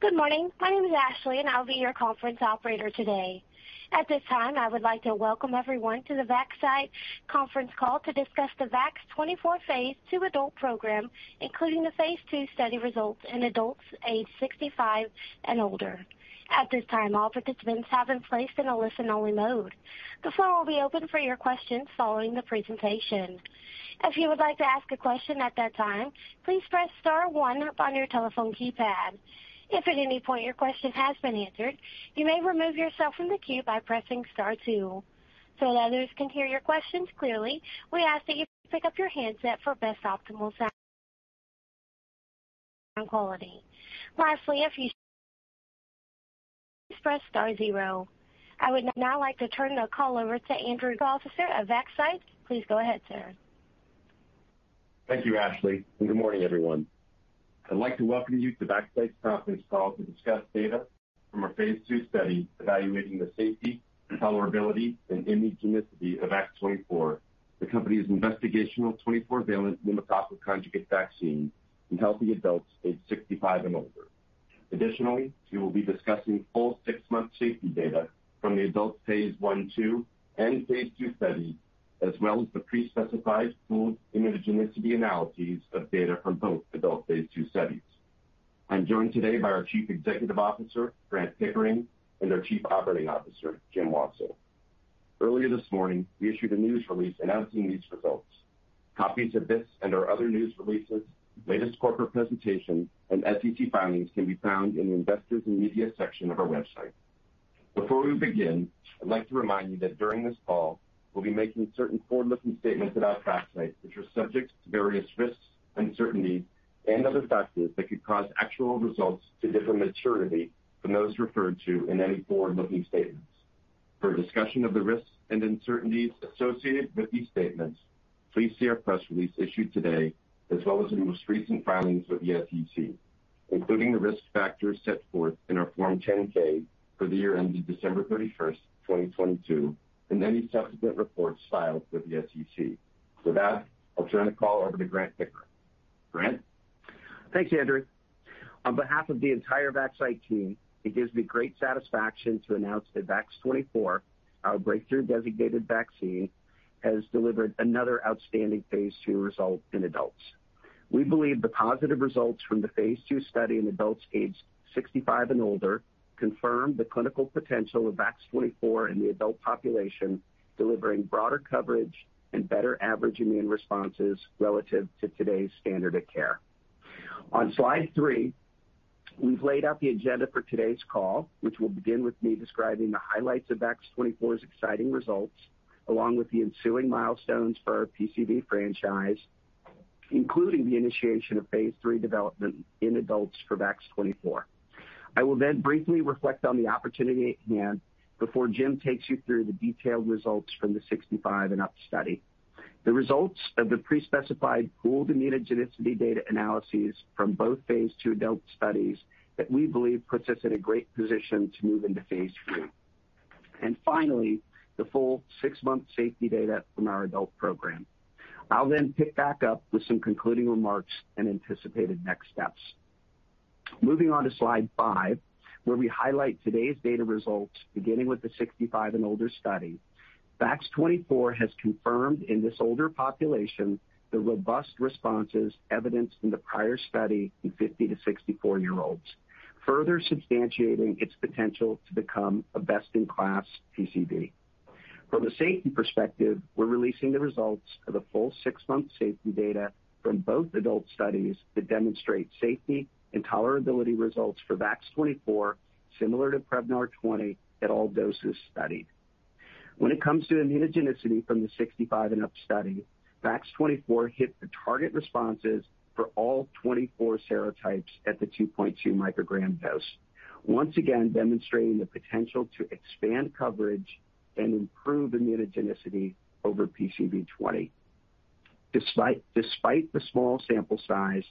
Good morning. My name is Ashley. I'll be your conference operator today. At this time, I would like to welcome everyone to the Vaxcyte conference call to discuss the VAX-24 phase II adult program, including the phase II study results in adults aged 65 and older. At this time, all participants have been placed in a listen-only mode. The floor will be open for your questions following the presentation. If you would like to ask a question at that time, please press star one on your telephone keypad. If at any point your question has been answered, you may remove yourself from the queue by pressing star two. That others can hear your questions clearly, we ask that you pick up your handset for best optimal sound quality. Lastly, if you press star zero. I would now like to turn the call over to Andrew of Vaxcyte. Please go ahead, sir. Thank you, Ashley. Good morning, everyone. I'd like to welcome you to Vaxcyte's conference call to discuss data from our phase II study evaluating the safety, tolerability, and immunogenicity of VAX-24, the company's investigational 24-valent pneumococcal conjugate vaccine in healthy adults aged 65 and over. Additionally, we will be discussing full six-month safety data from the adult phase I/II and phase II study, as well as the pre-specified pooled immunogenicity analyses of data from both adult phase II studies. I'm joined today by our Chief Executive Officer, Grant Pickering, and our Chief Operating Officer, Jim Wassil. Earlier this morning, we issued a news release announcing these results. Copies of this and our other news releases, latest corporate presentations, and SEC filings can be found in the Investors & Media section of our website. Before we begin, I'd like to remind you that during this call, we'll be making certain forward-looking statements about Vaxcyte which are subject to various risks, uncertainties, and other factors that could cause actual results to differ materially from those referred to in any forward-looking statements. For a discussion of the risks and uncertainties associated with these statements, please see our press release issued today as well as our most recent filings with the SEC, including the risk factors set forth in our Form 10-K for the year ended December 31st, 2022, and any subsequent reports filed with the SEC. With that, I'll turn the call over to Grant Pickering. Grant? Thanks, Andrew. On behalf of the entire Vaxcyte team, it gives me great satisfaction to announce that VAX-24, our breakthrough-designated vaccine, has delivered another outstanding phase II result in adults. We believe the positive results from the phase II study in adults aged 65 and older confirm the clinical potential of VAX-24 in the adult population, delivering broader coverage and better average immune responses relative to today's standard of care. On slide three, we've laid out the agenda for today's call, which will begin with me describing the highlights of VAX-24's exciting results, along with the ensuing milestones for our PCV franchise, including the initiation of phase III development in adults for VAX-24. I will then briefly reflect on the opportunity at hand before Jim takes you through the detailed results from the 65 and up study. The results of the pre-specified pooled immunogenicity data analyses from both phase II adult studies that we believe puts us in a great position to move into phase III. Finally, the full six-month safety data from our adult program. I'll then pick back up with some concluding remarks and anticipated next steps. Moving on to slide five, where we highlight today's data results beginning with the 65 and older study. VAX-24 has confirmed in this older population the robust responses evidenced in the prior study in 50 years-64 year olds, further substantiating its potential to become a best-in-class PCV. From a safety perspective, we're releasing the results of the full six-month safety data from both adult studies that demonstrate safety and tolerability results for VAX-24 similar to Prevnar 20 at all doses studied. When it comes to immunogenicity from the 65 and up study, VAX-24 hit the target responses for all 24 serotypes at the 2.2 mcg dose, once again demonstrating the potential to expand coverage and improve immunogenicity over PCV20. Despite the small sample size,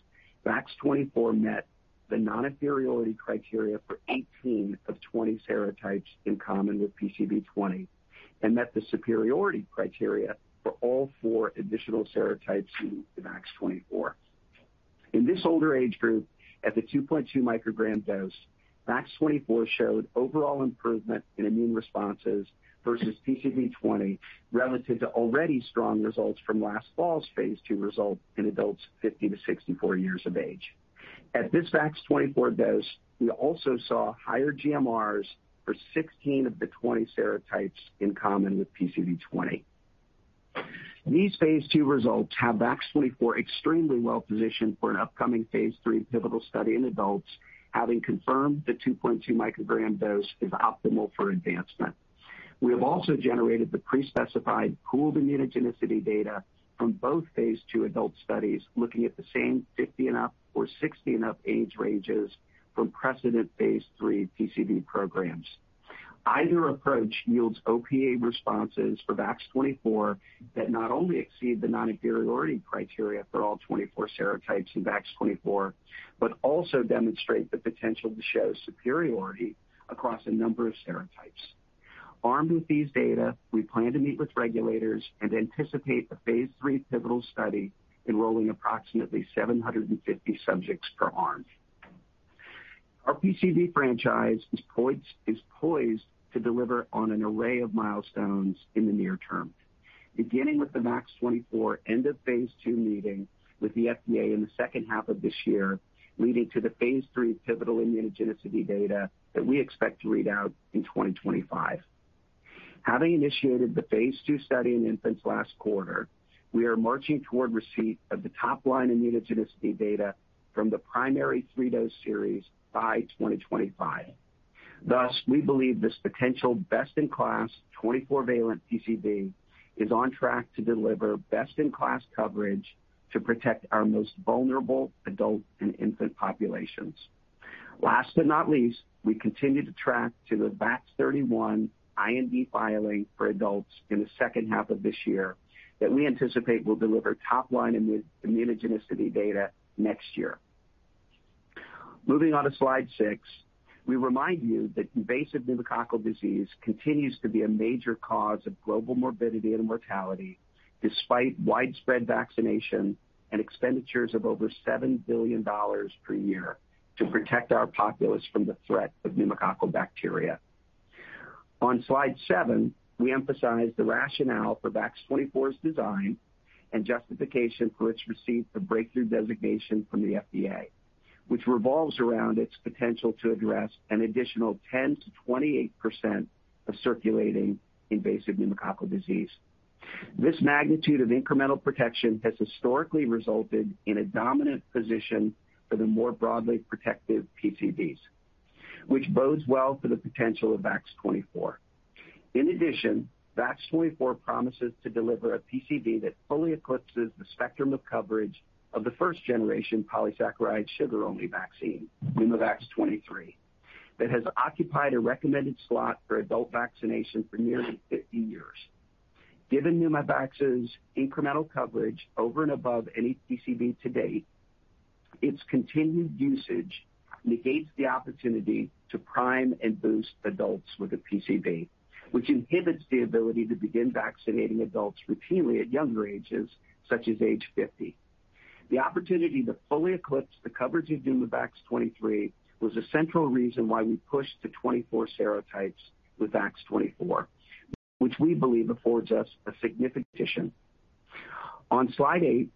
VAX-24 met the non-inferiority criteria for 18 of 20 serotypes in common with PCV20 and met the superiority criteria for all four additional serotypes in VAX-24. In this older age group, at the 2.2 mcg dose, VAX-24 showed overall improvement in immune responses versus PCV20 relative to already strong results from last fall's phase II result in adults 50 years-64 years of age. At this VAX-24 dose, we also saw higher GMRs for 16 of the 20 serotypes in common with PCV20. These phase II results have VAX-24 extremely well-positioned for an upcoming phase III pivotal study in adults, having confirmed the 2.2 mcg dose is optimal for advancement. We have also generated the pre-specified pooled immunogenicity data from both phase II adult studies looking at the same 50 and up or 60 and up age ranges from precedent phase III PCV programs. Either approach yields OPA responses for VAX-24 that not only exceed the non-inferiority criteria for all 24 serotypes in VAX-24, but also demonstrate the potential to show superiority across a number of serotypes. Armed with these data, we plan to meet with regulators and anticipate a phase III pivotal study enrolling approximately 750 subjects per arm. Our PCV franchise is poised to deliver on an array of milestones in the near term, beginning with the VAX-24 end of phase II meeting with the FDA in the second half of this year, leading to the phase III pivotal immunogenicity data that we expect to read out in 2025. Having initiated the phase II study in infants last quarter, we are marching toward receipt of the top line immunogenicity data from the primary three-dose series by 2025. Thus, we believe this potential best-in-class 24-valent PCV is on track to deliver best-in-class coverage to protect our most vulnerable adult and infant populations. Last but not least, we continue to track to the VAX-31 IND filing for adults in the second half of this year that we anticipate will deliver top line immunogenicity data next year. Moving on to slide six, we remind you that invasive pneumococcal disease continues to be a major cause of global morbidity and mortality despite widespread vaccination and expenditures of over $7 billion per year to protect our populace from the threat of pneumococcal bacteria. On slide seven, we emphasize the rationale for VAX-24's design and justification for its receipt of Breakthrough Designation from the FDA, which revolves around its potential to address an additional 10%-28% of circulating invasive pneumococcal disease. This magnitude of incremental protection has historically resulted in a dominant position for the more broadly protective PCVs, which bodes well for the potential of VAX-24. In addition, VAX-24 promises to deliver a PCV that fully eclipses the spectrum of coverage of the 1st-gen polysaccharide sugar-only vaccine, Pneumovax 23, that has occupied a recommended slot for adult vaccination for nearly 50 years. Given Pneumovax's incremental coverage over and above any PCV to date, its continued usage negates the opportunity to prime and boost adults with a PCV, which inhibits the ability to begin vaccinating adults routinely at younger ages, such as age 50. The opportunity to fully eclipse the coverage of Pneumovax 23 was a central reason why we pushed to 24 serotypes with VAX-24, which we believe affords us a significant addition. On slide eight,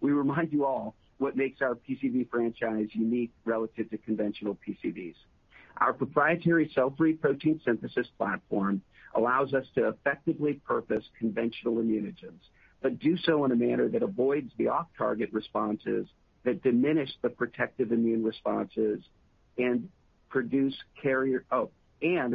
we remind you all what makes our PCV franchise unique relative to conventional PCVs. Our proprietary cell-free protein synthesis platform allows us to effectively purpose conventional immunogens, but do so in a manner that avoids the off-target responses that diminish the protective immune responses.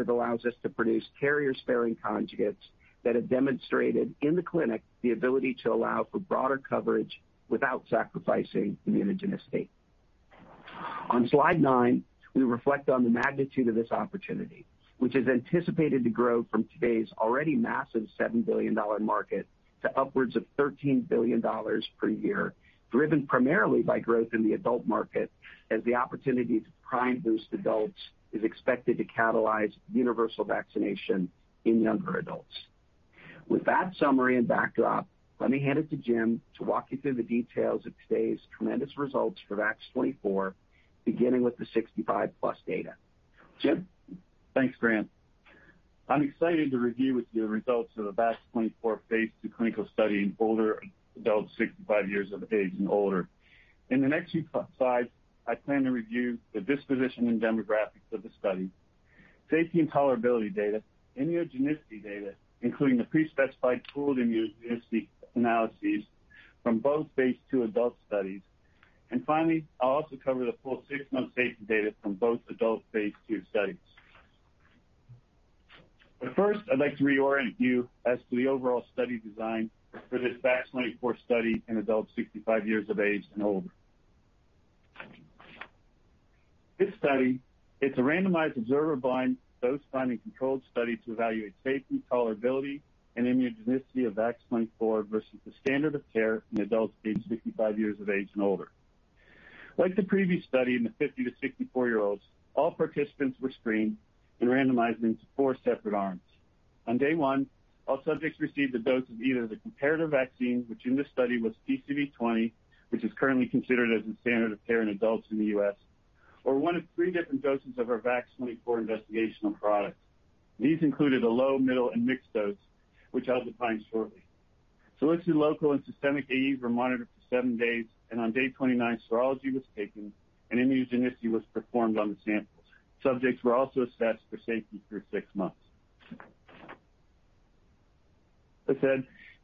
It allows us to produce carrier-sparing conjugates that have demonstrated in the clinic the ability to allow for broader coverage without sacrificing immunogenicity. On slide nine, we reflect on the magnitude of this opportunity, which is anticipated to grow from today's already massive seven-billion-dollar market to upwards of $13 billion per year, driven primarily by growth in the adult market as the opportunity to prime boost adults is expected to catalyze universal vaccination in younger adults. With that summary and backdrop, let me hand it to Jim to walk you through the details of today's tremendous results for VAX-24, beginning with the 65+ data. Jim? Thanks, Grant. I'm excited to review with you the results of the VAX-24 phase II clinical study in older adults 65 years of age and older. In the next few slides, I plan to review the disposition and demographics of the study, safety and tolerability data, immunogenicity data, including the pre-specified pooled immunogenicity analyses from both phase II adult studies. Finally, I'll also cover the full six-month safety data from both adult phase II studies. First, I'd like to reorient you as to the overall study design for this VAX-24 study in adults 65 years of age and older. This study is a randomized observer blind, dose-finding, controlled study to evaluate safety, tolerability, and immunogenicity of VAX-24 versus the standard of care in adults aged 65 years of age and older. Like the previous study in the 50 year-64 year-olds, all participants were screened and randomized into four separate arms. On day one, all subjects received a dose of either the comparative vaccine, which in this study was PCV20, which is currently considered as the standard of care in adults in the U.S., or one of three different doses of our VAX-24 investigational product. These included a low, middle, and mixed dose, which I'll define shortly. Solitary local and systemic AEs were monitored for seven days, and on day 29, serology was taken, and immunogenicity was performed on the samples. Subjects were also assessed for safety through six months.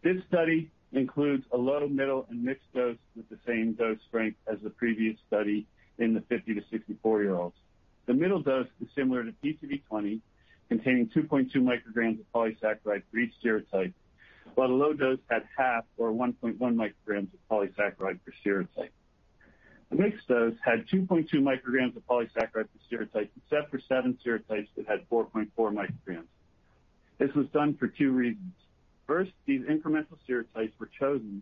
This study includes a low, middle, and mixed dose with the same dose strength as the previous study in the 50 year-64 year-olds. The middle dose is similar to PCV20, containing 2.2 mcgs of polysaccharide for each serotype, while the low dose had 1/2 or 1.1 mcgs of polysaccharide per serotype. The mixed dose had 2.2 mcgs of polysaccharide per serotype, except for seven serotypes that had 4.4 mcgs. This was done for two reasons. First, these incremental serotypes were chosen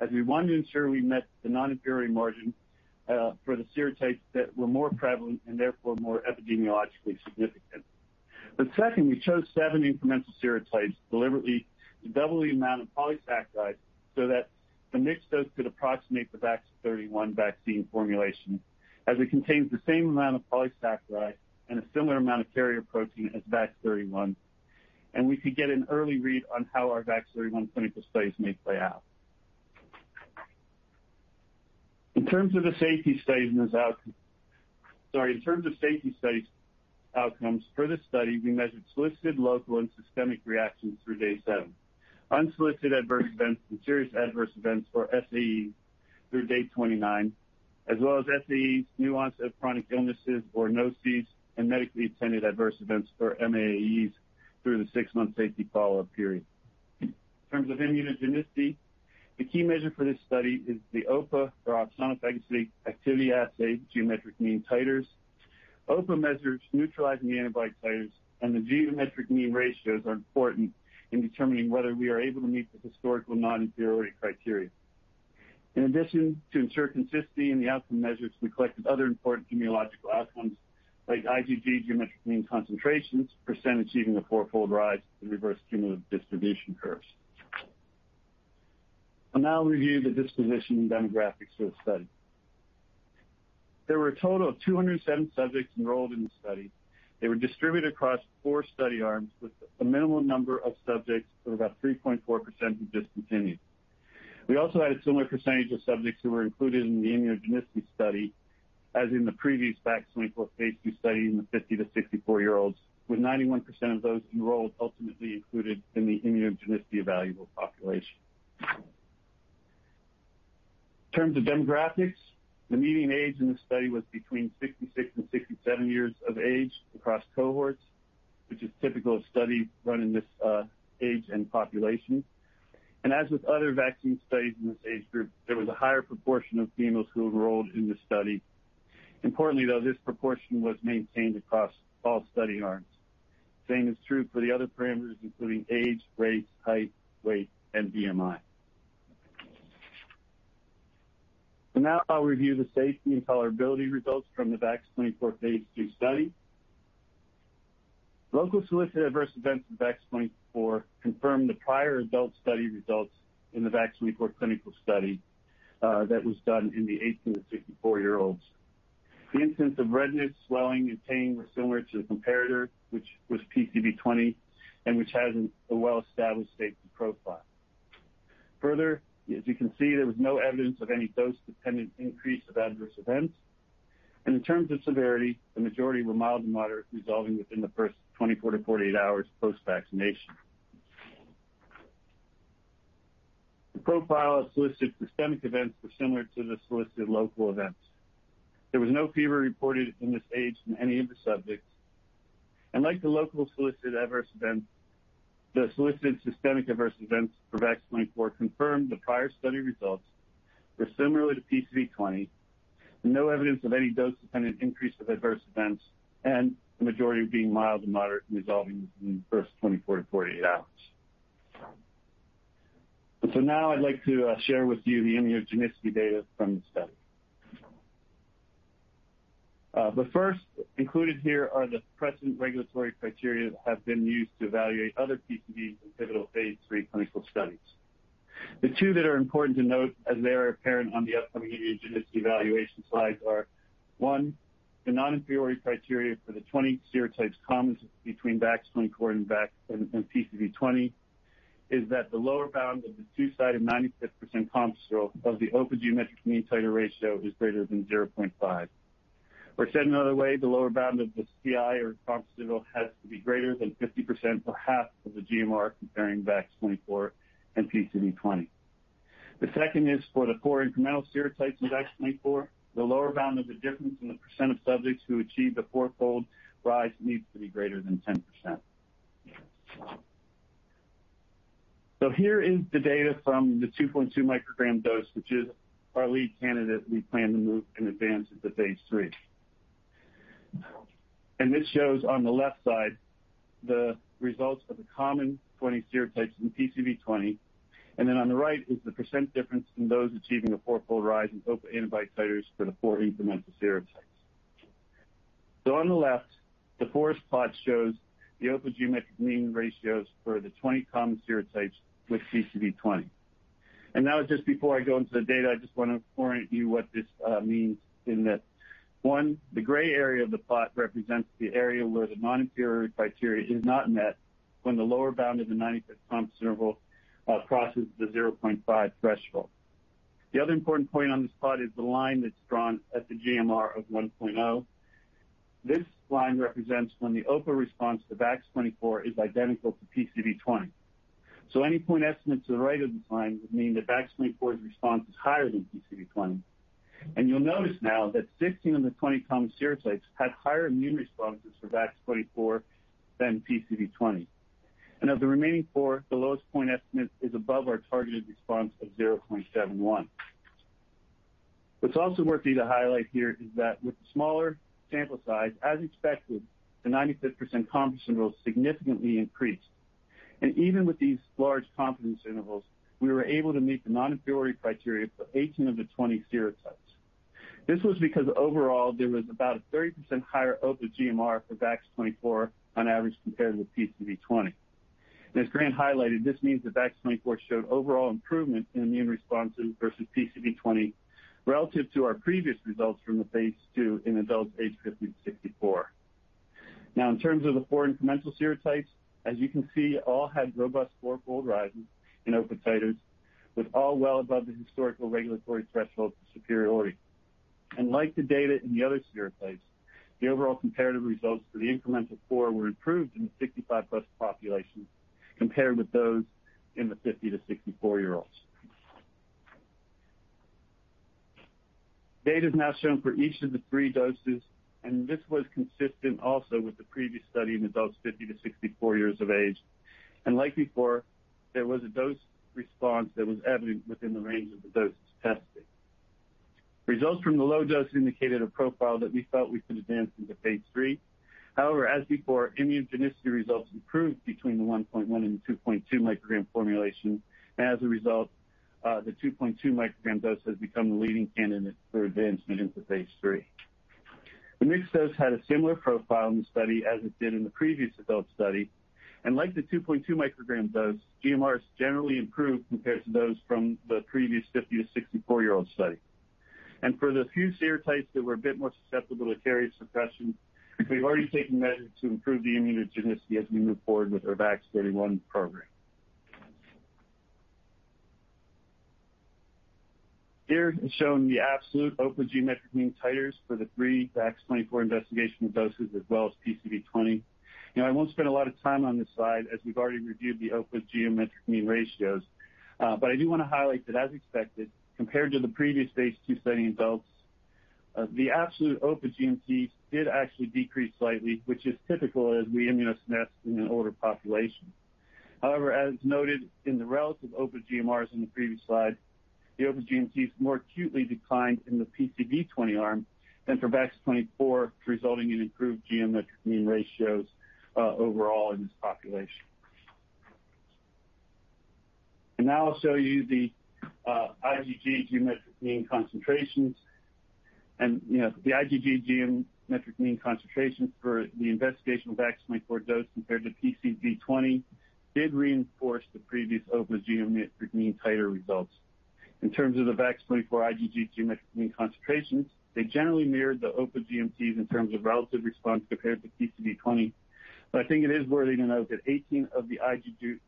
as we wanted to ensure we met the non-inferiority margin for the serotypes that were more prevalent and therefore more epidemiologically significant. Second, we chose seven incremental serotypes deliberately to double the amount of polysaccharide so that the mixed dose could approximate the VAX-31 vaccine formulation as it contains the same amount of polysaccharide and a similar amount of carrier protein as VAX-31, and we could get an early read on how our VAX-31 clinical studies may play out. In terms of the safety studies and its, sorry. In terms of safety studies outcomes for this study, we measured solicited local and systemic reactions through day seven, unsolicited adverse events and serious adverse events or SAEs through day 29, as well as SAEs, new onset of chronic illnesses or NOCIs, and medically attended adverse events or MAAEs through the six-month safety follow-up period. In terms of immunogenicity, the key measure for this study is the OPA or opsonophagocytic activity assay geometric mean titers. OPA measures neutralizing antibody titers. The geometric mean ratios are important in determining whether we are able to meet the historical non-inferiority criteria. In addition to ensure consistency in the outcome measures, we collected other important immunological outcomes like IgG geometric mean concentrations, percent achieving the four-fold rise in reverse cumulative distribution curves. I'll now review the disposition demographics for the study. There were a total of 207 subjects enrolled in the study. They were distributed across four study arms with a minimal number of subjects of about 3.4% who discontinued. We also had a similar percentage of subjects who were included in the immunogenicity study as in the previous VAX-24 phase II study in the 50 year-64 year-olds, with 91% of those enrolled ultimately included in the immunogenicity evaluable population. In terms of demographics, the median age in this study was between 66 years and 67 years of age across cohorts, which is typical of study run in this age and population. As with other vaccine studies in this age group, there was a higher proportion of females who enrolled in the study. Importantly, though, this proportion was maintained across all study arms. Same is true for the other parameters, including age, race, height, weight, and BMI. Now I'll review the safety and tolerability results from the VAX-24 phase II study. Local solicited adverse events of VAX-24 confirmed the prior adult study results in the VAX-24 clinical study that was done in the 18 year-64 year-olds. The instance of redness, swelling, and pain were similar to the comparator, which was PCV20, and which has a well-established safety profile. Further, as you can see, there was no evidence of any dose-dependent increase of adverse events. In terms of severity, the majority were mild to moderate, resolving within the first 24 hours-48 hours post-vaccination. The profile of solicited systemic events were similar to the solicited local events. There was no fever reported in this age in any of the subjects. Like the local solicited adverse events, the solicited systemic adverse events for VAX-24 confirmed the prior study results were similar to PCV20. No evidence of any dose-dependent increase of adverse events, and the majority being mild to moderate and resolving within the first 24 hours-48 hours. I'd like to share with you the immunogenicity data from the study. First, included here are the present regulatory criteria that have been used to evaluate other PCVs in pivotal phase III clinical studies. The two that are important to note, as they are apparent on the upcoming immunogenicity evaluation slides are one, the non-inferiority criteria for the 20 serotypes common between VAX-24 and PCV20 is that the lower bound of the two-sided 95% confidence interval of the OPA geometric mean titer ratio is greater than 0.5. Said another way, the lower bound of the CI or confidence interval has to be greater than 50% for 1/2 of the GMR comparing VAX-24 and PCV20. The second is for the four incremental serotypes in VAX-24, the lower bound of the difference in the percent of subjects who achieve the four-fold rise needs to be greater than 10%. Here is the data from the 2.2 mcg dose, which is our lead candidate we plan to move in advance into phase III. This shows on the left side the results of the common 20 serotypes in PCV20, and then on the right is the percent difference in those achieving a four-fold rise in OPA antibody titers for the four incremental serotypes. On the left, the forest plot shows the OPA geometric mean ratios for the 20 common serotypes with PCV20. Now just before I go into the data, I just want to orient you what this means in that one, the gray area of the plot represents the area where the non-inferiority criteria is not met when the lower bound of the 95% confidence interval crosses the 0.5 threshold. The other important point on this plot is the line that's drawn at the GMR of 1.0. This line represents when the OPA response to VAX-24 is identical to PCV20. Any point estimate to the right of the line would mean that VAX-24's response is higher than PCV20. You'll notice now that 16 of the 20 common serotypes had higher immune responses for VAX-24 than PCV20. Of the remaining four, the lowest point estimate is above our targeted response of 0.71. What's also worth to highlight here is that with the smaller sample size, as expected, the 95th% confidence interval significantly increased. Even with these large confidence intervals, we were able to meet the non-inferiority criteria for 18 of the 20 serotypes. This was because overall there was about a 30% higher OPA GMR for VAX-24 on average compared with PCV20. As Grant highlighted, this means the VAX-24 showed overall improvement in immune responses versus PCV20 relative to our previous results from the phase II in adults aged 50-64. In terms of the four incremental serotypes, as you can see, all had robust four-fold rise in OPA titers with all well above the historical regulatory threshold superiority. Like the data in the other serotypes, the overall comparative results for the incremental four were improved in the 65+ population compared with those in the 50 year-64 year-olds. Data is now shown for each of the three doses, and this was consistent also with the previous study in adults 50 years-64 years of age. Like before, there was a dose response that was evident within the range of the doses tested. Results from the low dose indicated a profile that we felt we could advance into phase III. However, as before, immunogenicity results improved between the 1.1 mcg and 2.2 mcg formulation. As a result, the 2.2 mcg dose has become the leading candidate for advancement into phase III. The mixed dose had a similar profile in the study as it did in the previous adult study. Like the 2.2 mcg dose, GMRs generally improved compared to those from the previous 50 year-64 year-olds study. For the few serotypes that were a bit more susceptible to carrier suppression, we've already taken measures to improve the immunogenicity as we move forward with our VAX-31 program. Here is shown the absolute OPA geometric mean titers for the three VAX-24 investigational doses as well as PCV20. Now, I won't spend a lot of time on this slide as we've already reviewed the OPA geometric mean ratios, but I do want to highlight that as expected, compared to the previous phase II study in adults, the absolute OPA GMC did actually decrease slightly which is typical as we immuno assess in an older population. However, as noted in the relative OPA GMRs in the previous slide, the OPA GMCs more acutely declined in the PCV20 arm than for VAX-24, resulting in improved geometric mean ratios overall in this population. Now I'll show you the IgG geometric mean concentrations. You know, the IgG geometric mean concentrations for the investigational VAX-24 dose compared to PCV20 did reinforce the previous OPA geometric mean titer results. In terms of the VAX-24 IgG geometric mean concentrations, they generally mirrored the OPA GMRs in terms of relative response compared to PCV20. I think it is worthy to note that 18 of the IgG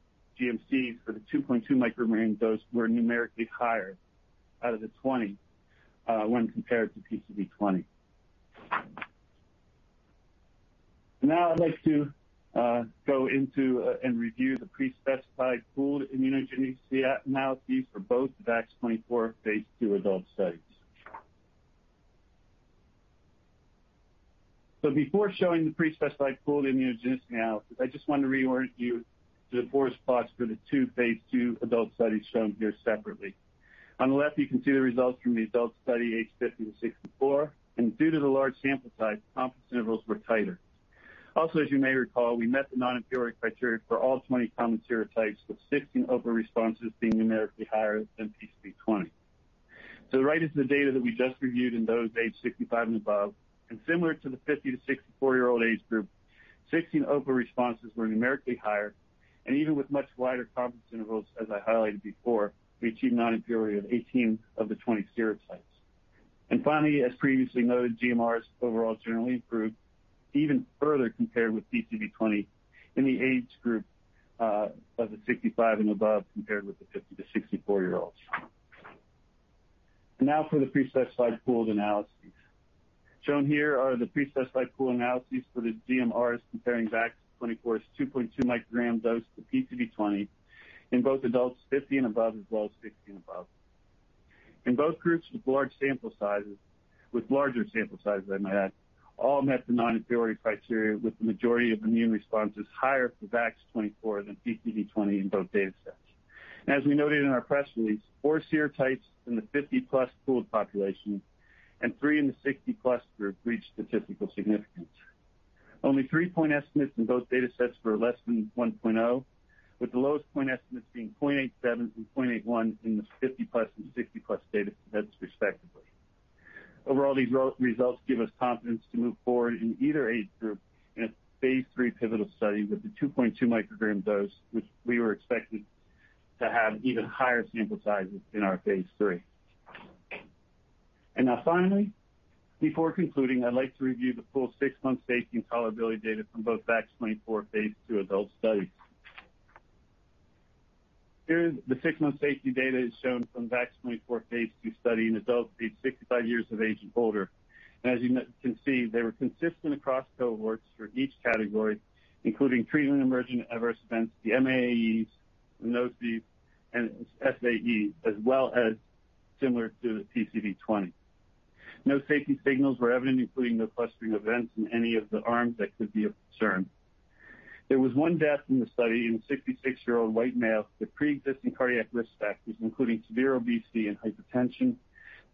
GMCs for the 2.2 mcg dose were numerically higher out of the 20, when compared to PCV20. I'd like to go into and review the pre-specified pooled immunogenicity analyses for both the VAX-24 phase II adult studies. Before showing the pre-specified pooled immunogenicity analysis, I just want to reorient you to the four spots for the two phase II adult studies shown here separately. On the left you can see the results from the adult study aged 50-64, and due to the large sample size, confidence intervals were tighter. As you may recall, we met the non-inferiority criteria for all 20 common serotypes, with 16 OPA GMR responses being numerically higher than PCV20. To the right is the data that we just reviewed in those aged 65 and above, and similar to the 50 year-64 year-old age group, 16 OPA GMR responses were numerically higher and even with much wider confidence intervals as I highlighted before, we achieved non-inferiority of 18 of the 20 serotypes. Finally, as previously noted, GMRs overall generally improved even further compared with PCV20 in the age group of the 65 and above compared with the 50 year-64 year-olds. Now for the pre-specified pooled analysis. Shown here are the pre-specified pool analyses for the GMRs comparing VAX-24's 2.2 mcg dose to PCV20 in both adults 50 and above as well as 60 and above. In both groups with larger sample sizes I might add, all met the non-inferiority criteria with the majority of immune responses higher for VAX-24 than PCV20 in both data sets. As we noted in our press release, four serotypes in the 50+ pooled population and three in the 60+ group reached statistical significance. Only three point estimates in both data sets were less than 1.0, with the lowest point estimates being 0.87 and 0.81 in the 50+ and 60+ data sets respectively. Overall, these re-results give us confidence to move forward in either age group in a phase III pivotal study with the 2.2 mcg dose which we were expecting to have even higher sample sizes in our phase III. Now finally, before concluding, I'd like to review the full six-month safety and tolerability data from both VAX-24 phase II adult studies. Here is the six-month safety data shown from VAX-24 phase II study in adults aged 65 years of age and older. As you can see, they were consistent across cohorts for each category, including treatment-emergent adverse events, the MAAEs, NOCIs, and SAEs as well as similar to the PCV20. No safety signals were evident, including no clustering events in any of the arms that could be of concern. There was one death in the study in a 66-year-old white male with preexisting cardiac risk factors, including severe obesity and hypertension.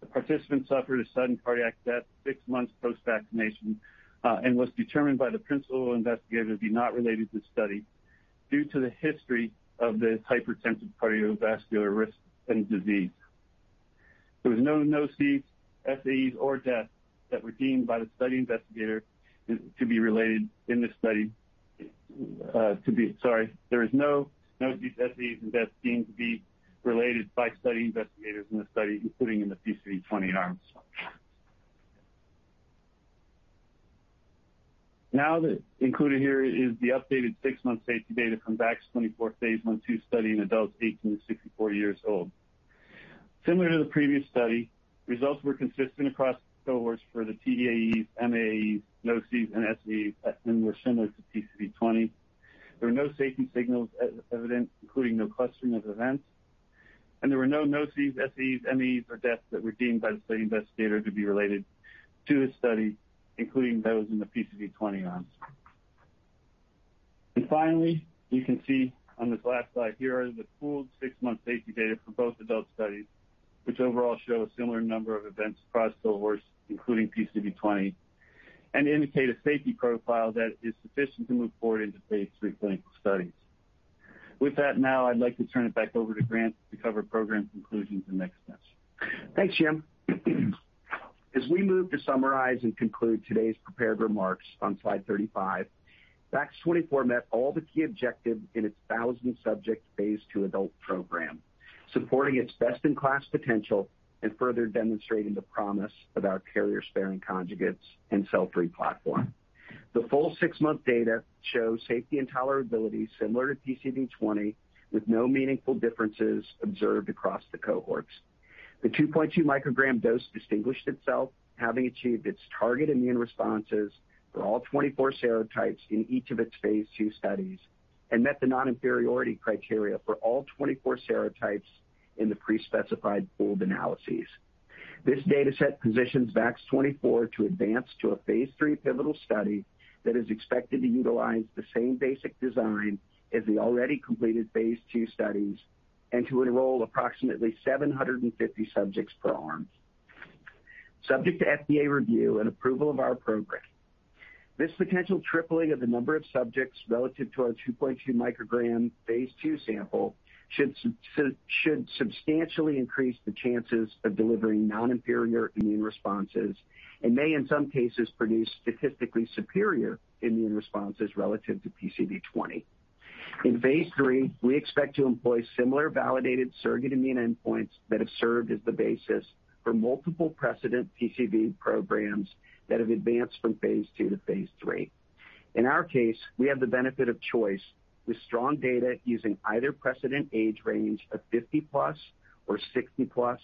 The participant suffered a sudden cardiac death six months post-vaccination and was determined by the principal investigator to be not related to the study due to the history of this hypertensive cardiovascular risk and disease. There was no NOCIs, SAEs, or death that were deemed by the study investigator to be related in this study. There is no NOCIs, SAEs, and deaths deemed to be related by study investigators in the study, including in the PCV20 arm. Included here is the updated six-month safety data from VAX-24 phase I/II study in adults 18 year-64 year-olds. Similar to the previous study, results were consistent across cohorts for the TDAEs, MAAEs, NOCIs, and SAEs and were similar to PCV20. There were no safety signals evident, including no clustering of events. There were no NOCIs, SAEs, MAAEs, or deaths that were deemed by the study investigator to be related to the study, including those in the PCV20 arms. Finally, you can see on this last slide here are the pooled six-month safety data for both adult studies, which overall show a similar number of events across cohorts, including PCV20, and indicate a safety profile that is sufficient to move forward into phase III clinical studies. With that, now I'd like to turn it back over to Grant to cover program conclusions in the next section. Thanks, Jim. As we move to summarize and conclude today's prepared remarks on slide 35, VAX-24 met all the key objectives in its thousand-subject phase II adult program, supporting its best-in-class potential and further demonstrating the promise of our carrier-sparing conjugates and cell-free platform. The full six-month data shows safety and tolerability similar to PCV20, with no meaningful differences observed across the cohorts. The 2.2 mcg dose distinguished itself, having achieved its target immune responses for all 24 serotypes in each of its phase II studies and met the non-inferiority criteria for all 24 serotypes in the pre-specified pooled analyses. This data set positions VAX-24 to advance to a phase III pivotal study that is expected to utilize the same basic design as the already completed phase II studies and to enroll approximately 750 subjects per arm. Subject to FDA review and approval of our program, this potential tripling of the number of subjects relative to our 2.2 mcg phase II sample should substantially increase the chances of delivering non-inferior immune responses and may, in some cases, produce statistically superior immune responses relative to PCV20. In phase III, we expect to employ similar validated surrogate immune endpoints that have served as the basis for multiple precedent PCV programs that have advanced from phase II to phase III. In our case, we have the benefit of choice with strong data using either precedent age range of 50+ or 60+,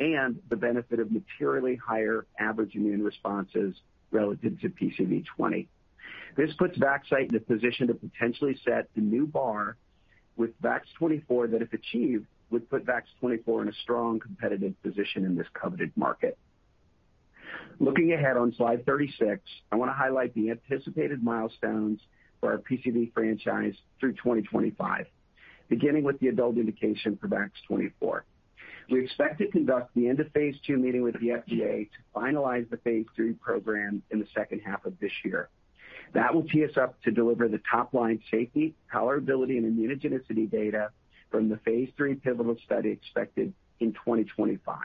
and the benefit of materially higher average immune responses relative to PCV20. This puts Vaxcyte in a position to potentially set the new bar with VAX-24 that, if achieved, would put VAX-24 in a strong competitive position in this coveted market. Looking ahead on slide 36, I wanna highlight the anticipated milestones for our PCV franchise through 2025, beginning with the adult indication for VAX-24. We expect to conduct the end of phase II meeting with the FDA to finalize the phase III program in the second half of this year. That will tee us up to deliver the top-line safety, tolerability, and immunogenicity data from the phase III pivotal study expected in 2025.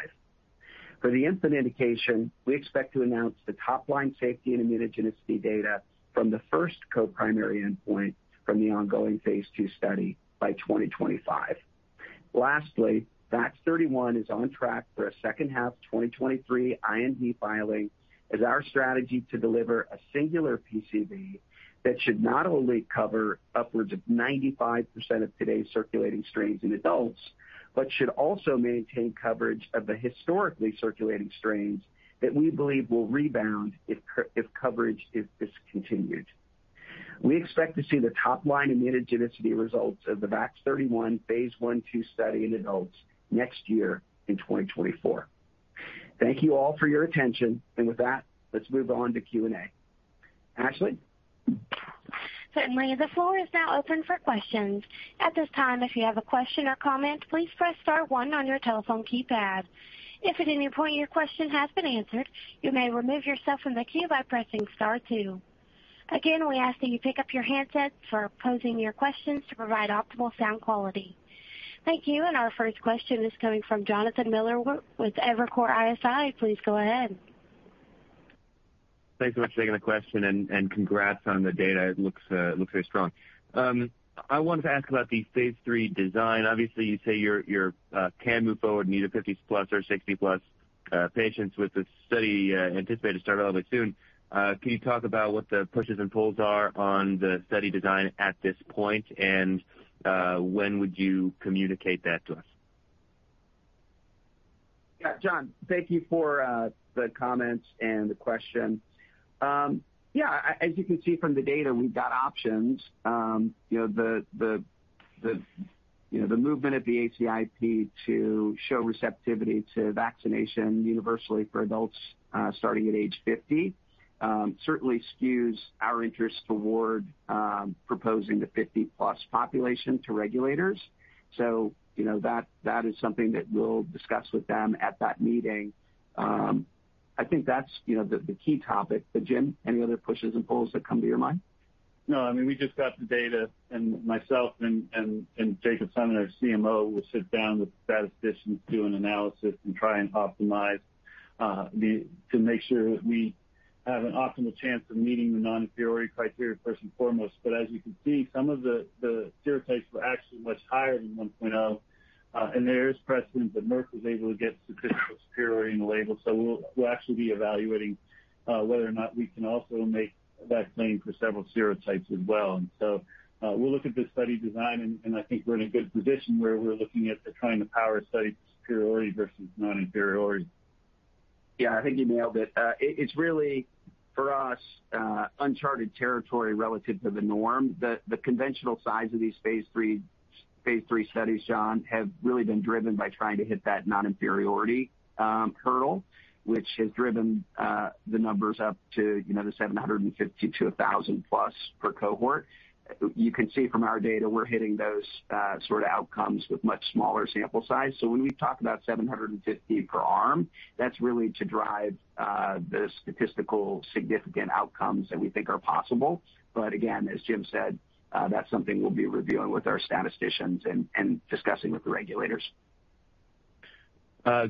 For the infant indication, we expect to announce the top-line safety and immunogenicity data from the first co-primary endpoint from the ongoing phase II study by 2025. Lastly, VAX-31 is on track for a second half 2023 IND filing as our strategy to deliver a singular PCV that should not only cover upwards of 95% of today's circulating strains in adults, but should also maintain coverage of the historically circulating strains that we believe will rebound if coverage is discontinued. We expect to see the top-line immunogenicity results of the VAX-31 phase I/II study in adults next year in 2024. Thank you all for your attention. With that, let's move on to Q&A. Ashley? Certainly. The floor is now open for questions. At this time, if you have a question or comment, please press star one on your telephone keypad. If at any point your question has been answered, you may remove yourself from the queue by pressing star two. Again, we ask that you pick up your handset for posing your questions to provide optimal sound quality. Thank you. Our first question is coming from Jonathan Miller with Evercore ISI. Please go ahead. Thanks so much for taking the question and congrats on the data. It looks very strong. I wanted to ask about the phase III design. Obviously, you say you're can move forward and either 50+ or 60+ patients with the study anticipated to start relatively soon. Can you talk about what the pushes and pulls are on the study design at this point, and when would you communicate that to us? Yeah. Jon, thank you for the comments and the question. Yeah, as you can see from the data, we've got options. You know, the movement at the ACIP to show receptivity to vaccination universally for adults, starting at age 50, certainly skews our interest toward proposing the 50+ population to regulators. You know, that is something that we'll discuss with them at that meeting. I think that's, you know, the key topic. Jim, any other pushes and pulls that come to your mind? No, I mean, we just got the data and myself and Jakub Simon, our CMO, will sit down with statisticians, do an analysis and try and optimize, to make sure that we have an optimal chance of meeting the non-inferiority criteria first and foremost. As you can see, some of the serotypes were actually much higher than 1.0. There is precedent that Merck was able to get statistical superiority in the label. We'll actually be evaluating whether or not we can also make that claim for several serotypes as well. We'll look at the study design, and I think we're in a good position where we're looking at trying to power study superiority versus non-inferiority. Yeah, I think you nailed it. It's really for us uncharted territory relative to the norm. The conventional size of these phase III studies, Jon, have really been driven by trying to hit that non-inferiority hurdle, which has driven the numbers up to, you know, the 750 to 1,000+ per cohort. You can see from our data, we're hitting those sort of outcomes with much smaller sample size. When we talk about 750 per arm, that's really to drive the statistical significant outcomes that we think are possible. Again, as Jim said, that's something we'll be reviewing with our statisticians and discussing with the regulators.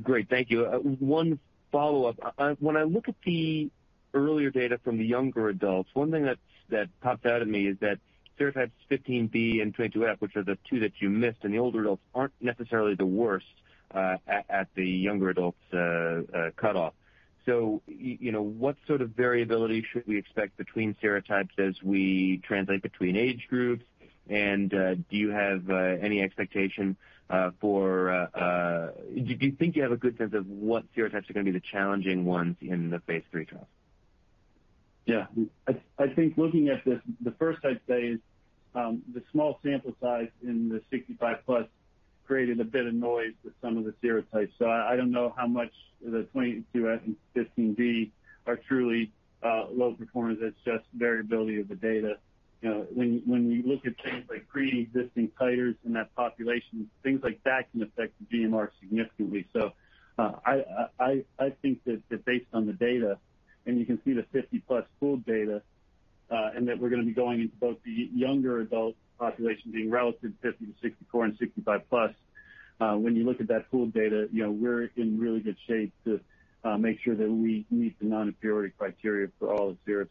Great. Thank you. One follow-up. When I look at the earlier data from the younger adults, one thing that pops out at me is that serotypes 15B and 22F, which are the two that you missed in the older adults, aren't necessarily the worst, at the younger adults, cutoff. You know, what sort of variability should we expect between serotypes as we translate between age groups? Do you have any expectation for, do you think you have a good sense of what serotypes are going to be the challenging ones in the phase III trials? Yeah. I think looking at this, the first I'd say is, the small sample size in the 65+ created a bit of noise with some of the serotypes. I don't know how much the 22F and 15B are truly low performers. That's just variability of the data. You know, when you look at things like pre-existing titers in that population, things like that can affect the GMR significantly. I think that based on the data, and you can see the 50+ pooled data, and that we're going to be going into both the younger adult population being relative to 50, 64 and 65+. When you look at that pooled data, you know, we're in really good shape to make sure that we meet the non-inferiority criteria for all the serotypes.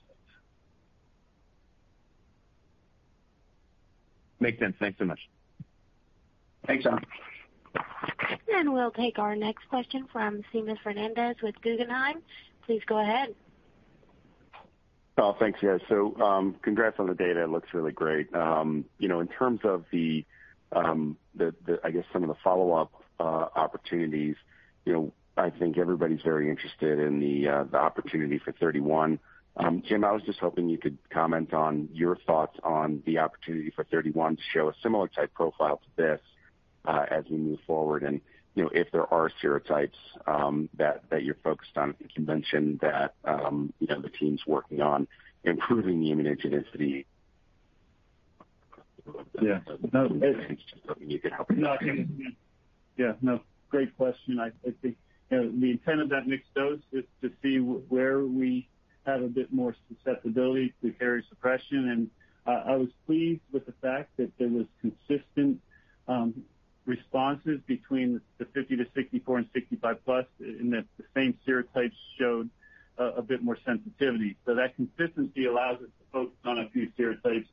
Makes sense. Thanks so much. Thanks, Jon. We'll take our next question from Seamus Fernandez with Guggenheim. Please go ahead. Oh, thanks, guys. Congrats on the data. It looks really great. you know, in terms of the, I guess some of the follow-up opportunities, you know, I think everybody's very interested in the opportunity for 31. Jim, I was just hoping you could comment on your thoughts on the opportunity for 31 to show a similar type profile to this as we move forward. you know, if there are serotypes that you're focused on, I think you mentioned that, you know, the team's working on improving the immunogenicity. Yeah. If there's anything you can help with. No, I can. Yeah, no, great question. I think, you know, the intent of that mixed dose is to see where we have a bit more susceptibility to carrier suppression. I was pleased with the fact that there was consistent responses between the 50-64 and 65+ in that the same serotypes showed a bit more sensitivity. That consistency allows us to focus on a few serotypes.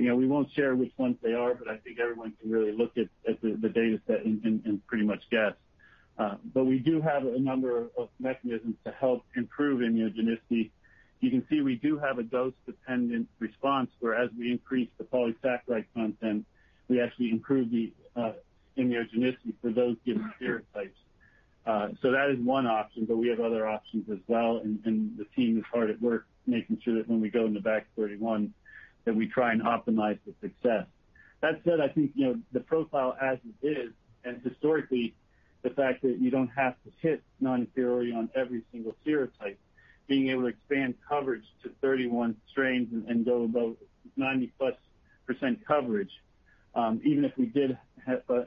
You know, we won't share which ones they are, but I think everyone can really look at the data set and pretty much guess. We do have a number of mechanisms to help improve immunogenicity. You can see we do have a dose-dependent response, where as we increase the polysaccharide content, we actually improve the immunogenicity for those given serotypes. That is one option, but we have other options as well. The team is hard at work making sure that when we go into VAX-31, that we try and optimize the success. That said, I think, you know, the profile as it is, and historically, the fact that you don't have to hit non-inferiority on every single serotype, being able to expand coverage to 31 strains and go above 90%+ coverage, even if we did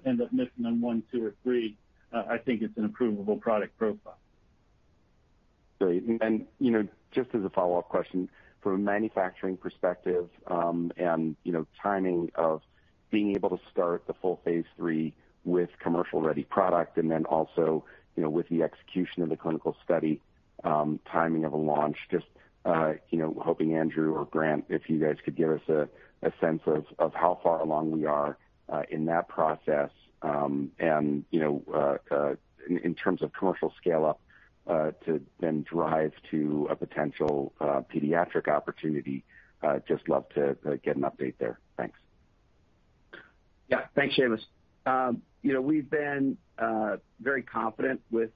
end up missing on one, two or three, I think it's an approvable product profile. Great. You know, just as a follow-up question, from a manufacturing perspective, and you know, timing of being able to start the full phase III with commercial-ready product and then also, you know, with the execution of the clinical study, timing of a launch. You know, hoping Andrew or Grant, if you guys could give us a sense of how far along we are in that process, and you know, in terms of commercial scale up to then drive to a potential pediatric opportunity. Love to get an update there. Thanks. Yeah. Thanks, Seamus. you know, we've been very confident with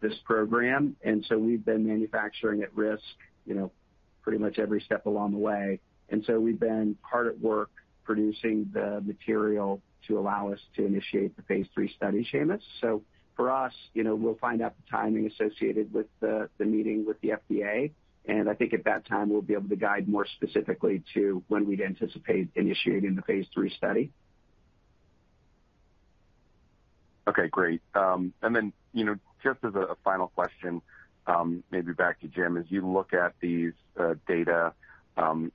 this program, and so we've been manufacturing at risk, you know pretty much every step along the way. We've been hard at work producing the material to allow us to initiate the phase III study, Seamus. For us, you know, we'll find out the timing associated with the meeting with the FDA, and I think at that time we'll be able to guide more specifically to when we'd anticipate initiating the phase III study. Okay, great. You know, just as a final question, maybe back to Jim. As you look at these data,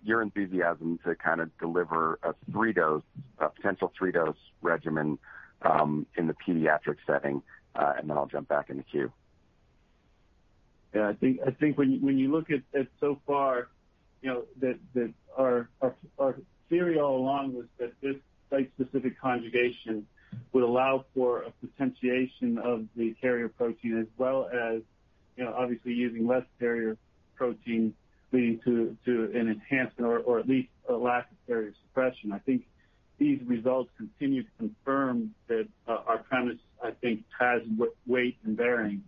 your enthusiasm to kind of deliver a three-dose, a potential three-dose regimen, in the pediatric setting, and then I'll jump back in the queue? Yeah, I think when you look at so far, you know, that our theory all along was that this site-specific conjugation would allow for a potentiation of the carrier protein as well as, you know, obviously using less carrier protein leading to an enhancement or at least a lack of carrier suppression. I think these results continue to confirm that our premise, I think, has weight and bearing,